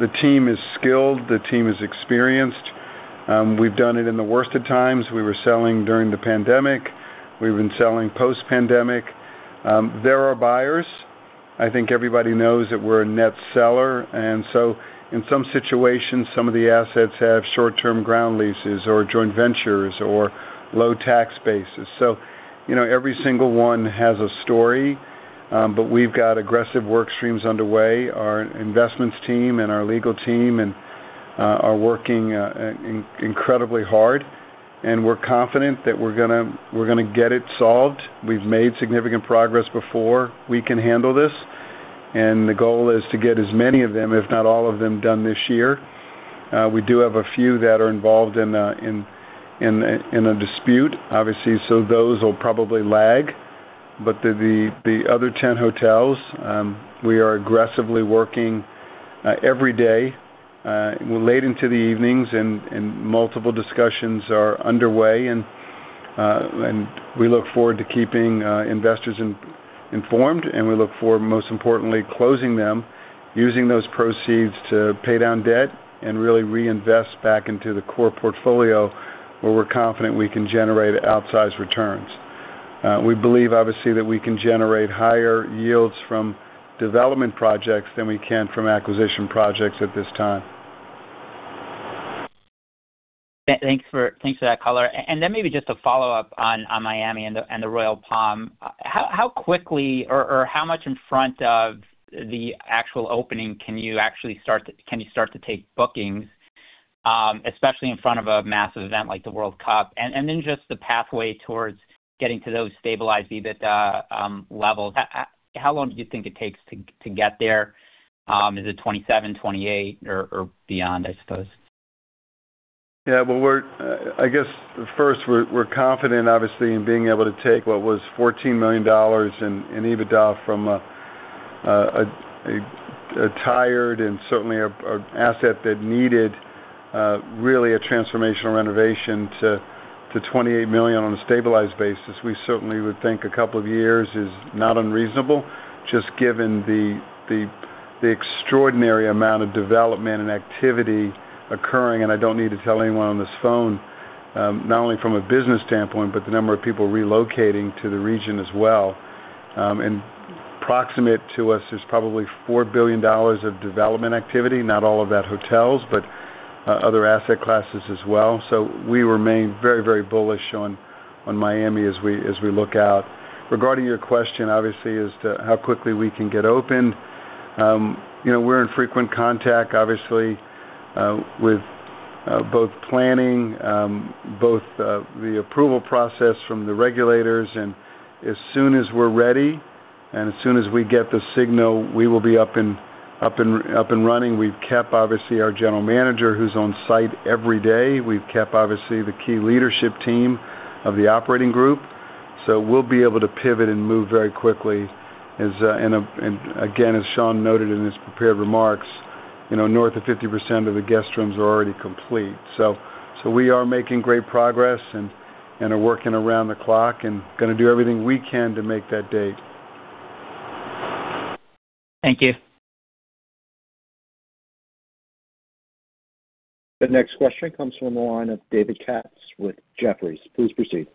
the team is skilled, the team is experienced, we've done it in the worst of times. We were selling during the pandemic. We've been selling post-pandemic. There are buyers. I think everybody knows that we're a net seller, and so in some situations, some of the assets have short-term ground leases or joint ventures or low tax bases. So, you know, every single one has a story, but we've got aggressive work streams underway. Our investments team and our legal team are working incredibly hard, and we're confident that we're gonna, we're gonna get it solved. We've made significant progress before. We can handle this, and the goal is to get as many of them, if not all of them, done this year. We do have a few that are involved in a dispute, obviously, so those will probably lag. But the other 10 hotels, we are aggressively working every day late into the evenings, and multiple discussions are underway, and we look forward to keeping investors informed, and we look forward, most importantly, to closing them, using those proceeds to pay down debt and really reinvest back into the core portfolio, where we're confident we can generate outsized returns. We believe, obviously, that we can generate higher yields from development projects than we can from acquisition projects at this time. Thanks for that color. And then maybe just a follow-up on Miami and the Royal Palm. How quickly or how much in front of the actual opening can you actually start to take bookings, especially in front of a massive event like the World Cup? And then just the pathway towards getting to those stabilized EBITDA levels. How long do you think it takes to get there? Is it 27, 28, or beyond, I suppose? Yeah, well, we're, I guess, first, we're confident, obviously, in being able to take what was $14 million in EBITDA from a tired and certainly an asset that needed really a transformational renovation to $28 million on a stabilized basis. We certainly would think a couple of years is not unreasonable, just given the extraordinary amount of development and activity occurring, and I don't need to tell anyone on this phone, not only from a business standpoint, but the number of people relocating to the region as well. And proximate to us is probably $4 billion of development activity, not all of that hotels, but other asset classes as well. So we remain very, very bullish on Miami as we look out. Regarding your question, obviously, as to how quickly we can get open, you know, we're in frequent contact, obviously, with both planning both the approval process from the regulators, and as soon as we're ready, and as soon as we get the signal, we will be up and, up and, up and running. We've kept, obviously, our general manager, who's on site every day. We've kept, obviously, the key leadership team of the operating group, so we'll be able to pivot and move very quickly. And again, as Sean noted in his prepared remarks, you know, north of 50% of the guest rooms are already complete. So we are making great progress and are working around the clock, and gonna do everything we can to make that date. Thank you. The next question comes from the line of David Katz with Jefferies. Please proceed.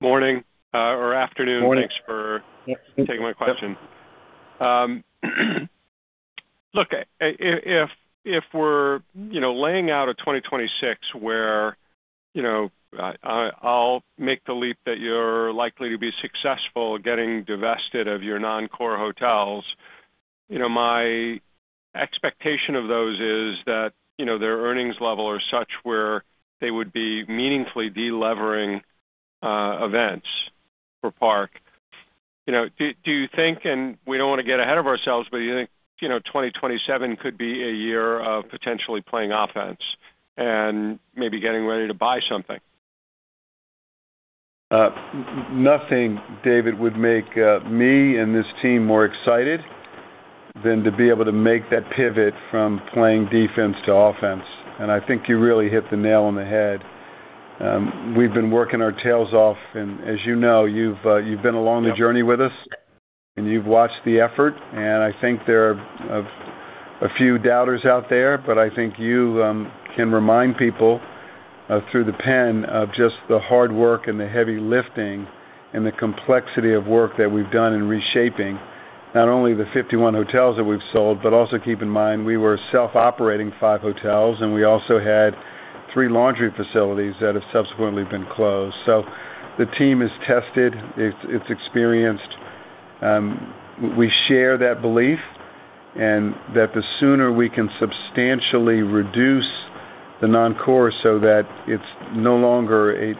Morning, or afternoon. Morning. Thanks for taking my question. Look, if we're, you know, laying out a 2026 where, you know, I, I'll make the leap that you're likely to be successful getting divested of your non-core hotels, you know, my expectation of those is that, you know, their earnings level are such where they would be meaningfully de-levering, events for Park. You know, do you think, and we don't wanna get ahead of ourselves, but do you think, you know, 2027 could be a year of potentially playing offense and maybe getting ready to buy something? Nothing, David, would make me and this team more excited than to be able to make that pivot from playing defense to offense, and I think you really hit the nail on the head. We've been working our tails off and as you know, you've been along the journey with us, and you've watched the effort, and I think there are a few doubters out there. But I think you can remind people through the pen of just the hard work and the heavy lifting and the complexity of work that we've done in reshaping, not only the 51 hotels that we've sold, but also keep in mind, we were self-operating five hotels, and we also had three laundry facilities that have subsequently been closed. So the team is tested. It is experienced. We share that belief, and that the sooner we can substantially reduce the non-core so that it's no longer a,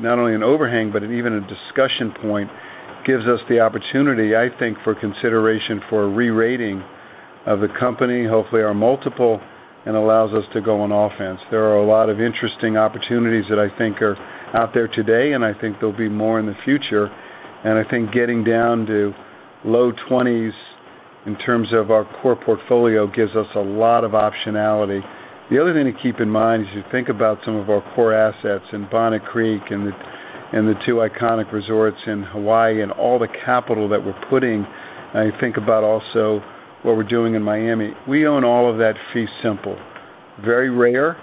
not only an overhang, but even a discussion point, gives us the opportunity, I think, for consideration for a re-rating of the company, hopefully, our multiple, and allows us to go on offense. There are a lot of interesting opportunities that I think are out there today, and I think there'll be more in the future. And I think getting down to low twenties in terms of our core portfolio gives us a lot of optionality. The other thing to keep in mind, as you think about some of our core assets in Bonnet Creek and the, and the two iconic resorts in Hawaii and all the capital that we're putting, and you think about also what we're doing in Miami. We own all of that fee simple. Very rare,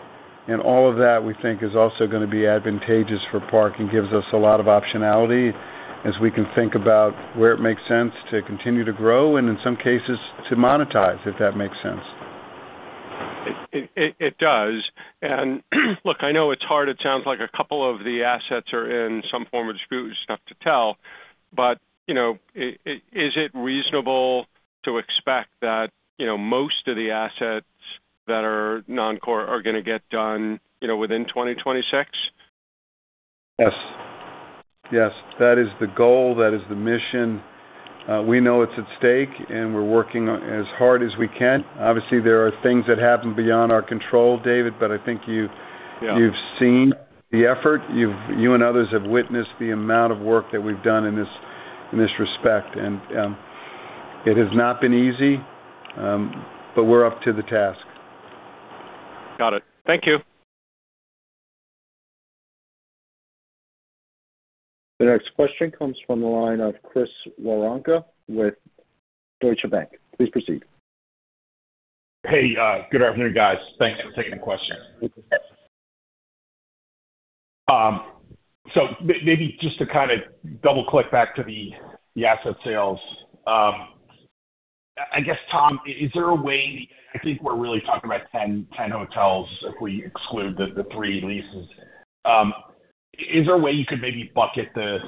and all of that we think is also gonna be advantageous for Park and gives us a lot of optionality as we can think about where it makes sense to continue to grow, and in some cases, to monetize, if that makes sense. It does. And look, I know it's hard. It sounds like a couple of the assets are in some form of dispute. It's tough to tell. But, you know, is it reasonable to expect that, you know, most of the assets that are non-core are gonna get done, you know, within 2026? Yes. Yes, that is the goal, that is the mission. We know what's at stake, and we're working on as hard as we can. Obviously, there are things that happen beyond our control, David, but I think you've seen the effort. You and others have witnessed the amount of work that we've done in this, in this respect, and it has not been easy, but we're up to the task. Got it. Thank you. The next question comes from the line of Chris Woronka with Deutsche Bank. Please proceed. Hey, good afternoon, guys. Thanks for taking the question. So maybe just to kind of double-click back to the asset sales. I guess, Tom, is there a way? I think we're really talking about 10, 10 hotels if we exclude the three leases. Is there a way you could maybe bucket the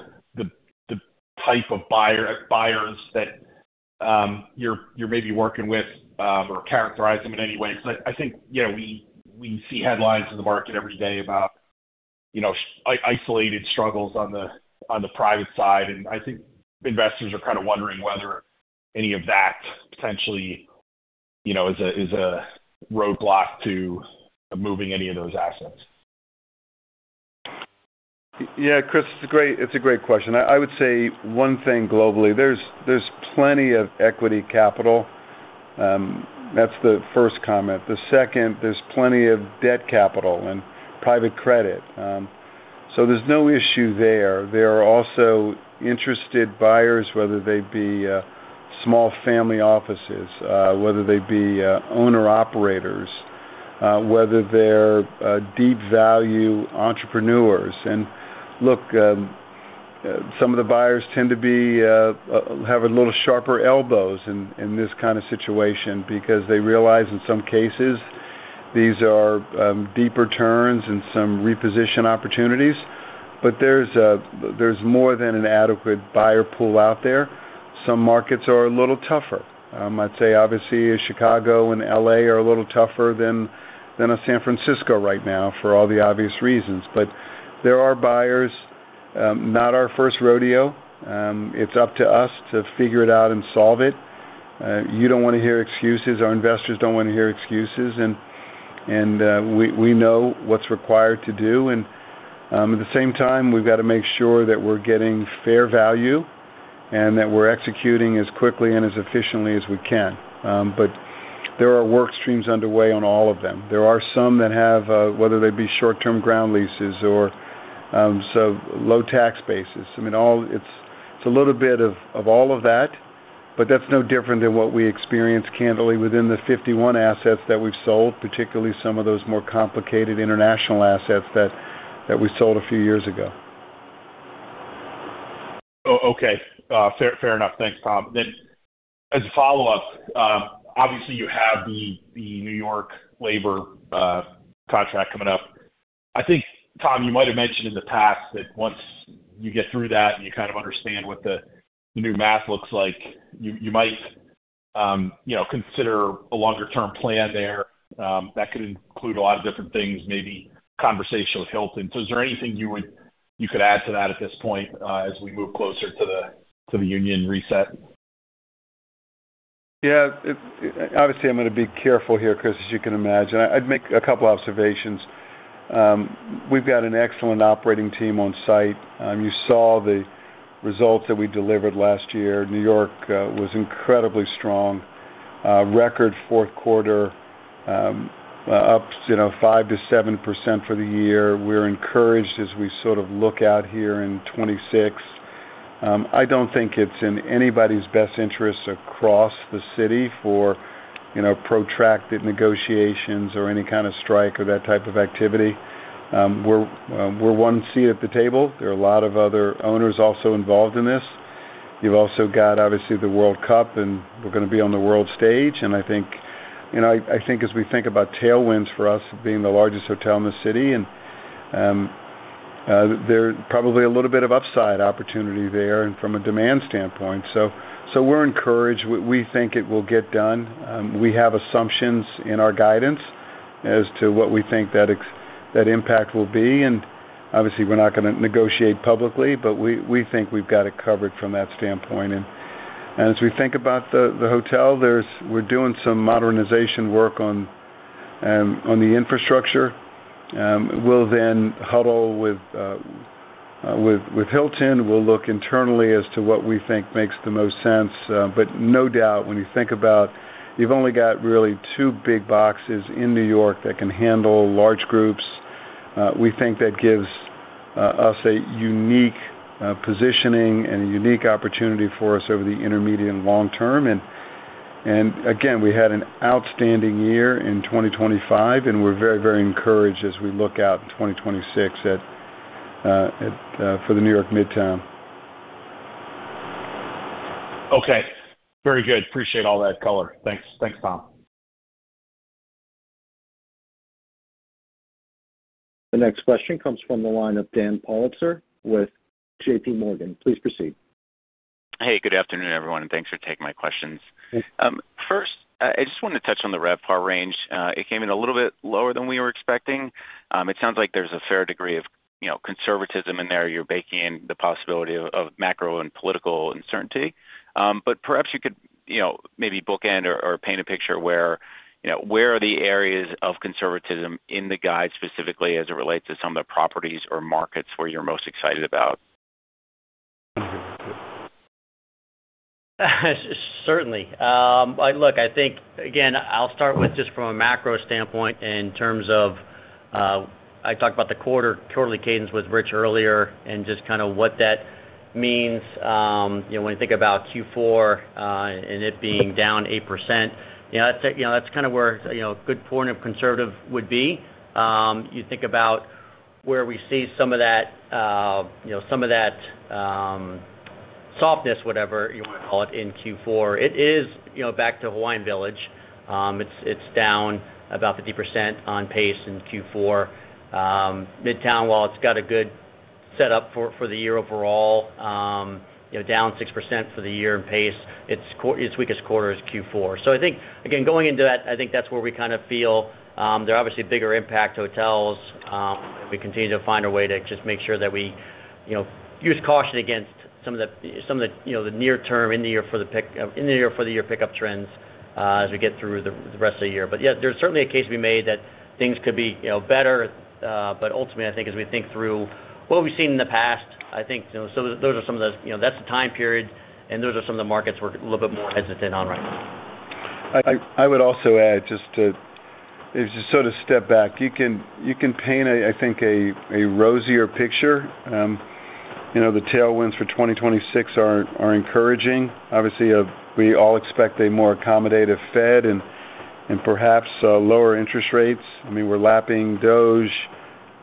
type of buyer, buyers that you're maybe working with, or characterize them in any way? Because I think, you know, we see headlines in the market every day about, you know, isolated struggles on the private side, and I think investors are kind of wondering whether any of that potentially, you know, is a roadblock to moving any of those assets. Yeah, Chris, it's a great, it's a great question. I would say one thing globally, there's plenty of equity capital. That's the first comment. The second, there's plenty of debt capital and private credit. So there's no issue there. There are also interested buyers, whether they be small family offices, whether they be owner-operators, whether they're deep value entrepreneurs. And look, some of the buyers tend to have a little sharper elbows in this kind of situation because they realize in some cases, these are deeper turns and some reposition opportunities, but there's more than an adequate buyer pool out there. Some markets are a little tougher. I'd say obviously, Chicago and LA are a little tougher than a San Francisco right now for all the obvious reasons. But there are buyers, not our first rodeo. It's up to us to figure it out and solve it. You don't wanna hear excuses, our investors don't wanna hear excuses, and we know what's required to do. At the same time, we've got to make sure that we're getting fair value and that we're executing as quickly and as efficiently as we can. But there are work streams underway on all of them. There are some that have whether they be short-term ground leases or so low tax bases. I mean, it's a little bit of all of that. But that's no different than what we experienced, candidly, within the 51 assets that we've sold, particularly some of those more complicated international assets that we sold a few years ago. Oh, okay. Fair, fair enough. Thanks, Tom. Then as a follow-up, obviously, you have the New York labor contract coming up. I think, Tom, you might have mentioned in the past that once you get through that and you kind of understand what the new math looks like, you might, you know, consider a longer-term plan there, that could include a lot of different things, maybe conversation with Hilton. So is there anything you could add to that at this point, as we move closer to the union reset? Yeah, it obviously, I'm going to be careful here, Chris, as you can imagine. I'd make a couple observations. We've got an excellent operating team on site. You saw the results that we delivered last year. New York was incredibly strong. Record Q4, up, you know, 5%-7% for the year. We're encouraged as we sort of look out here in 2026. I don't think it's in anybody's best interests across the city for, you know, protracted negotiations or any kind of strike or that type of activity. We're one seat at the table. There are a lot of other owners also involved in this. You've also got, obviously, the World Cup, and we're going to be on the world stage, and I think—you know, I think as we think about tailwinds for us being the largest hotel in the city, and there's probably a little bit of upside opportunity there from a demand standpoint. So we're encouraged. We think it will get done. We have assumptions in our guidance as to what we think that impact will be, and obviously, we're not going to negotiate publicly, but we think we've got it covered from that standpoint. And as we think about the hotel, there's, we're doing some modernization work on the infrastructure. We'll then huddle with Hilton. We'll look internally as to what we think makes the most sense. But no doubt, when you think about, you've only got really two big boxes in New York that can handle large groups. We think that gives us a unique positioning and a unique opportunity for us over the intermediate and long term. And again, we had an outstanding year in 2025, and we're very, very encouraged as we look out in 2026 at for the New York Midtown. Okay. Very good. Appreciate all that color. Thanks. Thanks, Tom. The next question comes from the line of Dan Politzer with J.P. Morgan. Please proceed. Hey, good afternoon, everyone, and thanks for taking my questions. Hey. First, I just wanted to touch on the RevPAR range. It came in a little bit lower than we were expecting. It sounds like there's a fair degree of, you know, conservatism in there. You're baking in the possibility of macro and political uncertainty. But perhaps you could, you know, maybe bookend or paint a picture where, you know, where are the areas of conservatism in the guide, specifically as it relates to some of the properties or markets where you're most excited about? Certainly. Look, I think, again, I'll start with just from a macro standpoint in terms of, I talked about the quarterly cadence with Rich earlier and just kind of what that means. You know, when you think about Q4, and it being down 8%, you know, that's, you know, that's kind of where, you know, a good point of conservative would be. You think about where we see some of that, you know, some of that, softness, whatever you want to call it, in Q4. It is, you know, back to Hawaiian Village. It's, it's down about 50% on pace in Q4. Midtown, while it's got a good setup for, for the year overall, you know, down 6% for the year in pace, its weakest quarter is Q4. So I think, again, going into that, I think that's where we kind of feel, they're obviously bigger impact hotels. We continue to find a way to just make sure that we, you know, use caution against some of the, you know, the near term in the year for the year pickup trends, as we get through the rest of the year. But, yeah, there's certainly a case to be made that things could be, you know, better. But ultimately, I think as we think through what we've seen in the past, I think, you know, so those are some of the... You know, that's the time period, and those are some of the markets we're a little bit more hesitant on right now. I would also add just so to step back, you can paint a, I think, a rosier picture. You know, the tailwinds for 2026 are encouraging. Obviously, we all expect a more accommodative Fed and perhaps lower interest rates. I mean, we're lapping DOGE,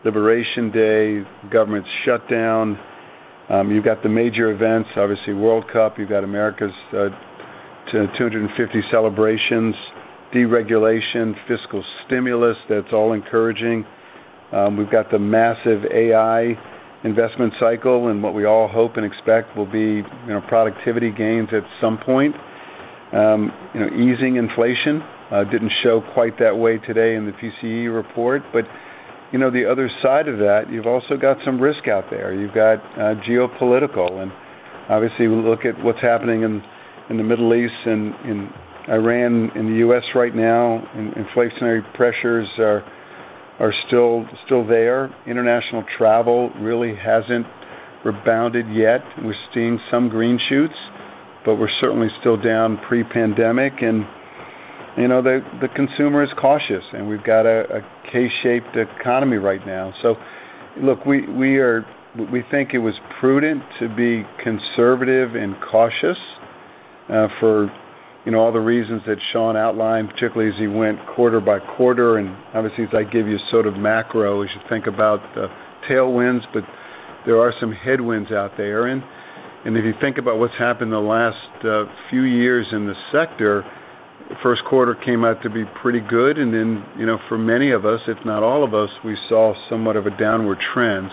Liberation Day, government shutdown. You've got the major events, obviously, World Cup, you've got America250 celebrations, deregulation, fiscal stimulus, that's all encouraging. We've got the massive AI investment cycle and what we all hope and expect will be, you know, productivity gains at some point. You know, easing inflation didn't show quite that way today in the PCE report, but, you know, the other side of that, you've also got some risk out there. You've got geopolitical, and obviously, we look at what's happening in the Middle East and in Iran, in the U.S. right now, and inflationary pressures are still there. International travel really hasn't rebounded yet. We're seeing some green shoots, but we're certainly still down pre-pandemic. And... You know, the consumer is cautious, and we've got a K-shaped economy right now. So look, we are—we think it was prudent to be conservative and cautious for, you know, all the reasons that Sean outlined, particularly as he went quarter by quarter. And obviously, as I give you sort of macro, we should think about the tailwinds, but there are some headwinds out there. And if you think about what's happened in the last few years in the sector, the Q1 came out to be pretty good. And then, you know, for many of us, if not all of us, we saw somewhat of a downward trend.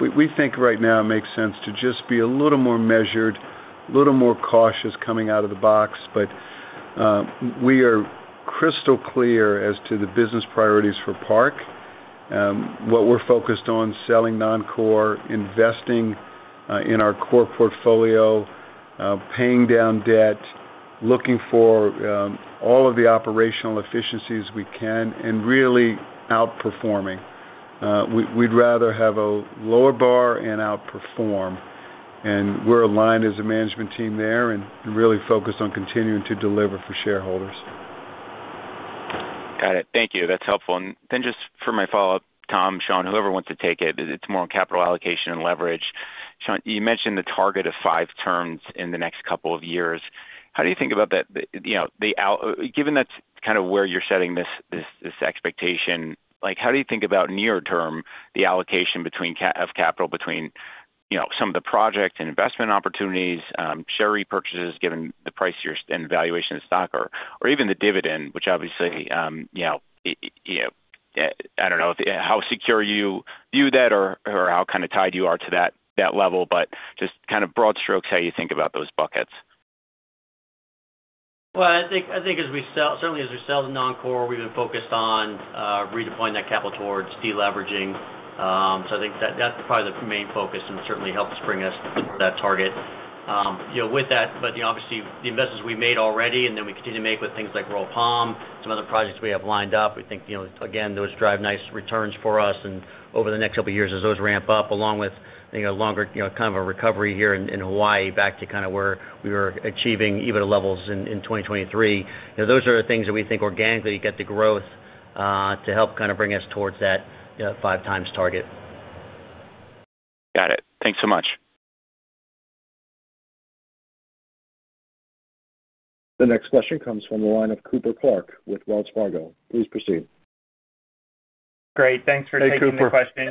We think right now it makes sense to just be a little more measured, a little more cautious coming out of the box. But we are crystal clear as to the business priorities for Park. What we're focused on, selling non-core, investing in our core portfolio, paying down debt, looking for all of the operational efficiencies we can, and really outperforming. We'd rather have a lower bar and outperform, and we're aligned as a management team there, and we're really focused on continuing to deliver for shareholders. Got it. Thank you. That's helpful. And then, just for my follow-up, Tom, Sean, whoever wants to take it, it's more on capital allocation and leverage. Sean, you mentioned the target of 5 turns in the next couple of years. How do you think about that? You know, given that's kind of where you're setting this expectation, like, how do you think about near term, the allocation of capital between, you know, some of the project and investment opportunities, share repurchases, given the price and valuation of stock, or even the dividend, which obviously, you know, I don't know how secure you view that or how kind of tied you are to that level, but just kind of broad strokes, how you think about those buckets? Well, I think as we sell—certainly as we sell the non-core, we've been focused on redeploying that capital towards deleveraging. So I think that's probably the main focus and certainly helps bring us to that target. You know, with that, but, you know, obviously, the investments we made already and then we continue to make with things like Royal Palm, some other projects we have lined up, we think, you know, again, those drive nice returns for us. And over the next couple of years, as those ramp up, along with, you know, longer, you know, kind of a recovery here in Hawaii, back to kind of where we were achieving EBITDA levels in 2023. You know, those are the things that we think organically get the growth, to help kind of bring us towards that, 5x target. Got it. Thanks so much. The next question comes from the line of Cooper Clark with Wells Fargo. Please proceed. Great. Thanks for taking the question.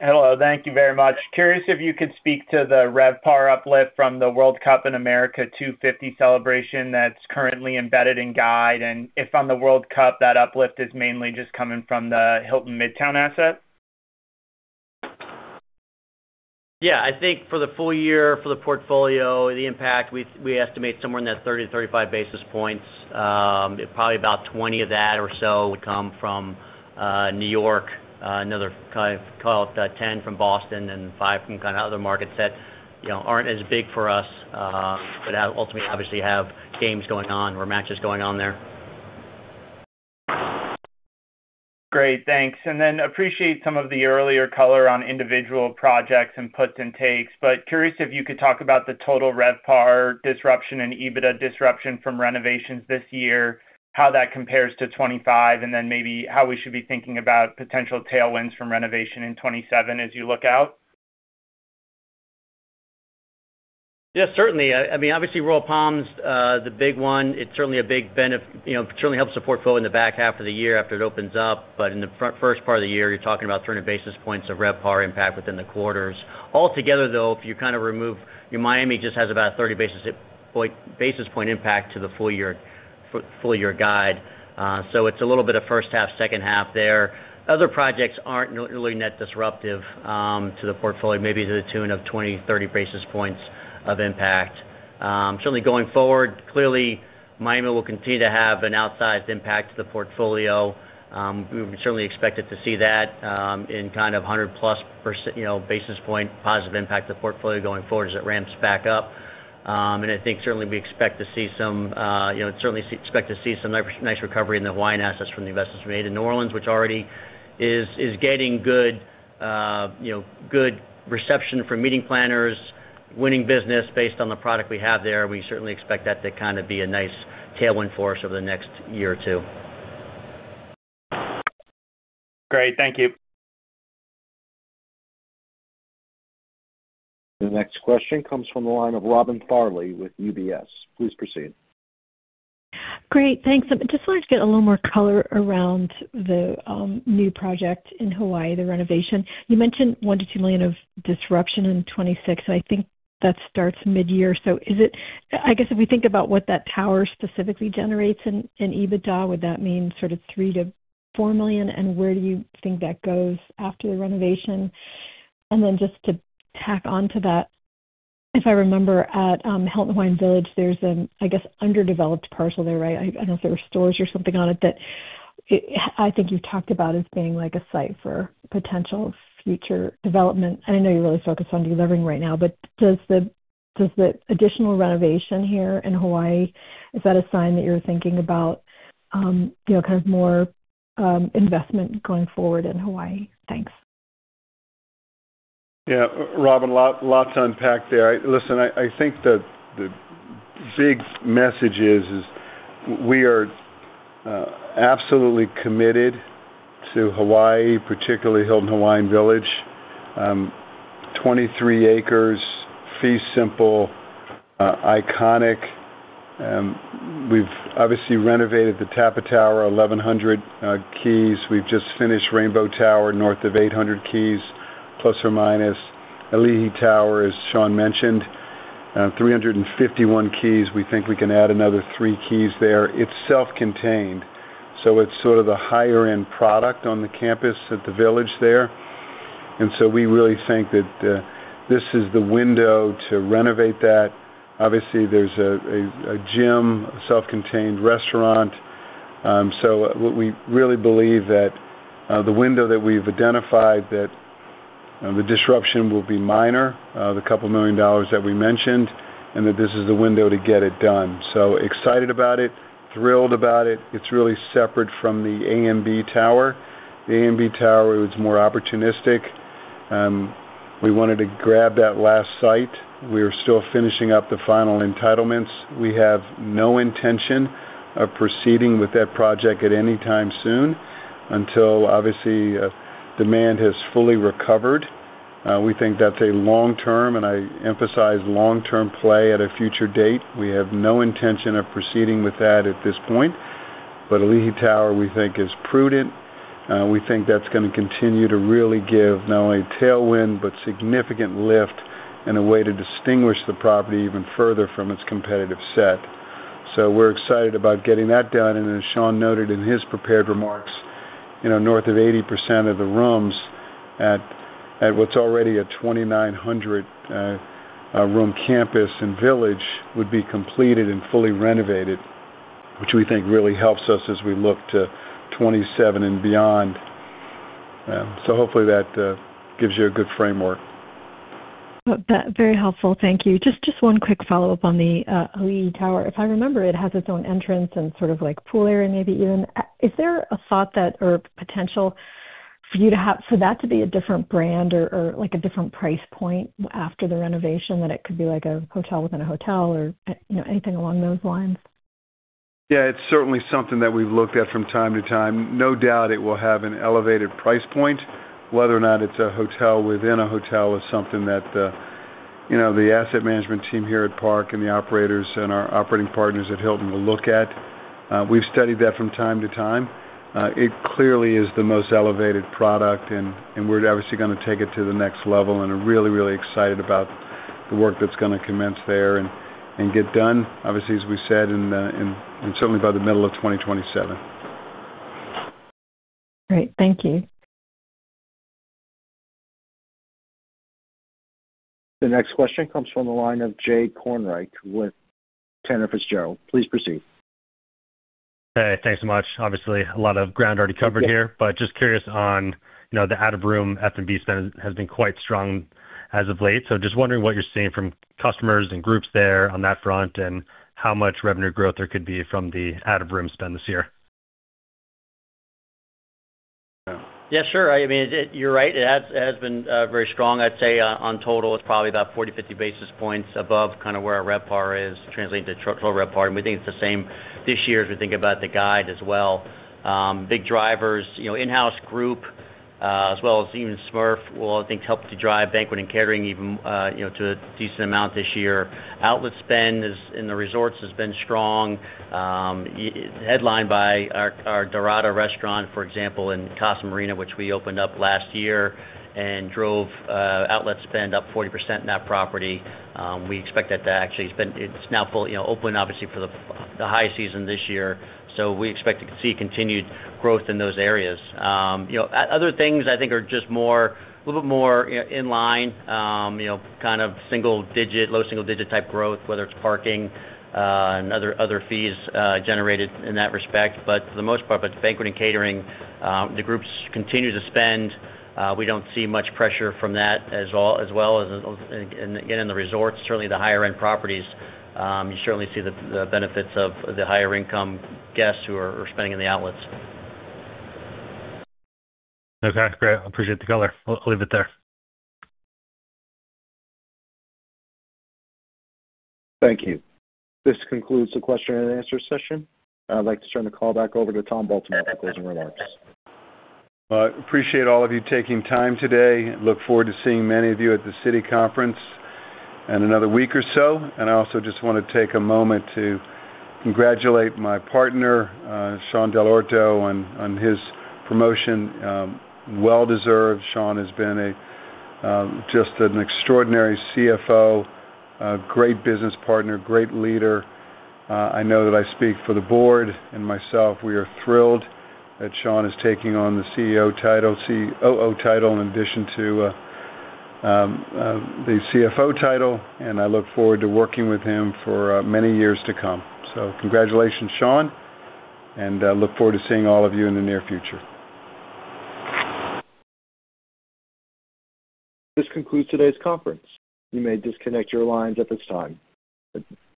Hey, Cooper. Hello, thank you very much. Curious if you could speak to the RevPAR uplift from the World Cup and America250 celebration that's currently embedded in guide, and if on the World Cup, that uplift is mainly just coming from the Hilton Midtown asset? Yeah, I think for the full year, for the portfolio, the impact, we estimate somewhere in that 30-35 basis points. Probably about 20 of that or so would come from New York, another kind of call it 10 from Boston and 5 from kind of other markets that, you know, aren't as big for us, but ultimately obviously have games going on or matches going on there. Great, thanks. And then appreciate some of the earlier color on individual projects and puts and takes. But curious if you could talk about the total RevPAR disruption and EBITDA disruption from renovations this year, how that compares to 2025, and then maybe how we should be thinking about potential tailwinds from renovation in 2027 as you look out. Yes, certainly. I mean, obviously, Royal Palm's the big one. It's certainly a big benefit, you know, certainly helps the portfolio in the back half of the year after it opens up. But in the first part of the year, you're talking about 300 basis points of RevPAR impact within the quarters. Altogether, though, if you kind of remove Miami just has about a 30 basis point impact to the full year, full year guide. So it's a little bit of first half, second half there. Other projects aren't really net disruptive to the portfolio, maybe to the tune of 20-30 basis points of impact. Certainly going forward, clearly, Miami will continue to have an outsized impact to the portfolio. We certainly expect it to see that in kind of a 100+%, you know, basis point positive impact to the portfolio going forward as it ramps back up. And I think certainly we expect to see some, you know, certainly expect to see some nice, nice recovery in the Hawaiian assets from the investments we made in New Orleans, which already is getting good, you know, good reception from meeting planners, winning business based on the product we have there. We certainly expect that to kind of be a nice tailwind for us over the next year or two. Great. Thank you. The next question comes from the line of Robin Farley with UBS. Please proceed. Great, thanks. I just wanted to get a little more color around the new project in Hawaii, the renovation. You mentioned $1 million-$2 million of disruption in 2026. I think that starts mid-year. So is it, I guess, if we think about what that tower specifically generates in EBITDA, would that mean sort of $3 million-$4 million? And where do you think that goes after the renovation? And then just to tack on to that, if I remember, at Hilton Hawaiian Village, there's an underdeveloped parcel there, right? I don't know if there were stores or something on it that I think you talked about as being like a site for potential future development. I know you're really focused on delivering right now, but does the, does the additional renovation here in Hawaii, is that a sign that you're thinking about, you know, kind of more, investment going forward in Hawaii? Thanks. Yeah, Robin, lots to unpack there. Listen, I think the big message is we are absolutely committed to Hawaii, particularly Hilton Hawaiian Village. Twenty-three acres, fee simple, iconic. We've obviously renovated the Tapa Tower, 1,100 keys. We've just finished Rainbow Tower, north of 800 keys, plus or minus. Ali'i Tower, as Sean mentioned, 351 keys. We think we can add another 3 keys there. It's self-contained, so it's sort of the higher-end product on the campus at the village there, and so we really think that this is the window to renovate that. Obviously, there's a gym, a self-contained restaurant. So what we really believe that the window that we've identified, that the disruption will be minor, $2 million that we mentioned, and that this is the window to get it done. So excited about it, thrilled about it. It's really separate from the AMB Tower. The AMB Tower was more opportunistic. We wanted to grab that last site. We are still finishing up the final entitlements. We have no intention of proceeding with that project at any time soon, until obviously demand has fully recovered. We think that's a long-term, and I emphasize long-term play at a future date. We have no intention of proceeding with that at this point. But Ali'i Tower, we think, is prudent. We think that's gonna continue to really give not only tailwind, but significant lift in a way to distinguish the property even further from its competitive set. So we're excited about getting that done, and as Sean noted in his prepared remarks, you know, north of 80% of the rooms at what's already a 2,900, room, campus and village would be completed and fully renovated, which we think really helps us as we look to 2027 and beyond. So hopefully, that gives you a good framework. That very helpful. Thank you. Just one quick follow-up on the Ali'i Tower. If I remember, it has its own entrance and sort of, like, pool area, maybe even. Is there a thought that or potential for you to have for that to be a different brand or like a different price point after the renovation, that it could be like a hotel within a hotel or you know, anything along those lines? Yeah, it's certainly something that we've looked at from time to time. No doubt, it will have an elevated price point. Whether or not it's a hotel within a hotel is something that the, you know, the asset management team here at Park and the operators and our operating partners at Hilton will look at. We've studied that from time to time. It clearly is the most elevated product, and, and we're obviously gonna take it to the next level and are really, really excited about the work that's gonna commence there and, and get done, obviously, as we said, in, in, in certainly by the middle of 2027. Great. Thank you. The next question comes from the line of Jay Kornreich with Cantor Fitzgerald. Please proceed. Hey, thanks so much. Obviously, a lot of ground already covered here but just curious on, you know, the out-of-room F&B spend has been quite strong as of late, so just wondering what you're seeing from customers and groups there on that front and how much revenue growth there could be from the out-of-room spend this year? Yeah, sure. I mean, you're right, it has, it has been very strong. I'd say, on total, it's probably about 40-50 basis points above kind of where our RevPAR is, translating to total RevPAR, and we think it's the same this year as we think about the guide as well. Big drivers, you know, in-house group, as well as even SMERF, will, I think, help to drive banquet and catering even, you know, to a decent amount this year. Outlet spend is, in the resorts, has been strong, headlined by our Dorada restaurant, for example, in Casa Marina, which we opened up last year and drove outlet spend up 40% in that property. We expect that to actually spend it's now full, you know, open, obviously, for the high season this year, so we expect to see continued growth in those areas. You know, other things I think are just more, a little bit more in, you know, line, you know, kind of single digit, low single-digit type growth, whether it's parking and other, other fees generated in that respect. But for the most part, but banquet and catering, the groups continue to spend. We don't see much pressure from that as well. As, again, in the resorts, certainly the higher-end properties, you certainly see the benefits of the higher income guests who are spending in the outlets. Okay, great. I appreciate the color. We'll leave it there. Thank you. This concludes the question and answer session. I'd like to turn the call back over to Tom Baltimore for closing remarks. Well, I appreciate all of you taking time today, and look forward to seeing many of you at the Citi conference in another week or so. I also just wanna take a moment to congratulate my partner, Sean Dell'Orto, on his promotion, well-deserved. Sean has been a just an extraordinary CFO, a great business partner, great leader. I know that I speak for the board and myself, we are thrilled that Sean is taking on the CEO title, COO title, in addition to the CFO title, and I look forward to working with him for many years to come. So congratulations, Sean, and I look forward to seeing all of you in the near future. This concludes today's conference. You may disconnect your lines at this time.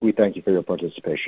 We thank you for your participation.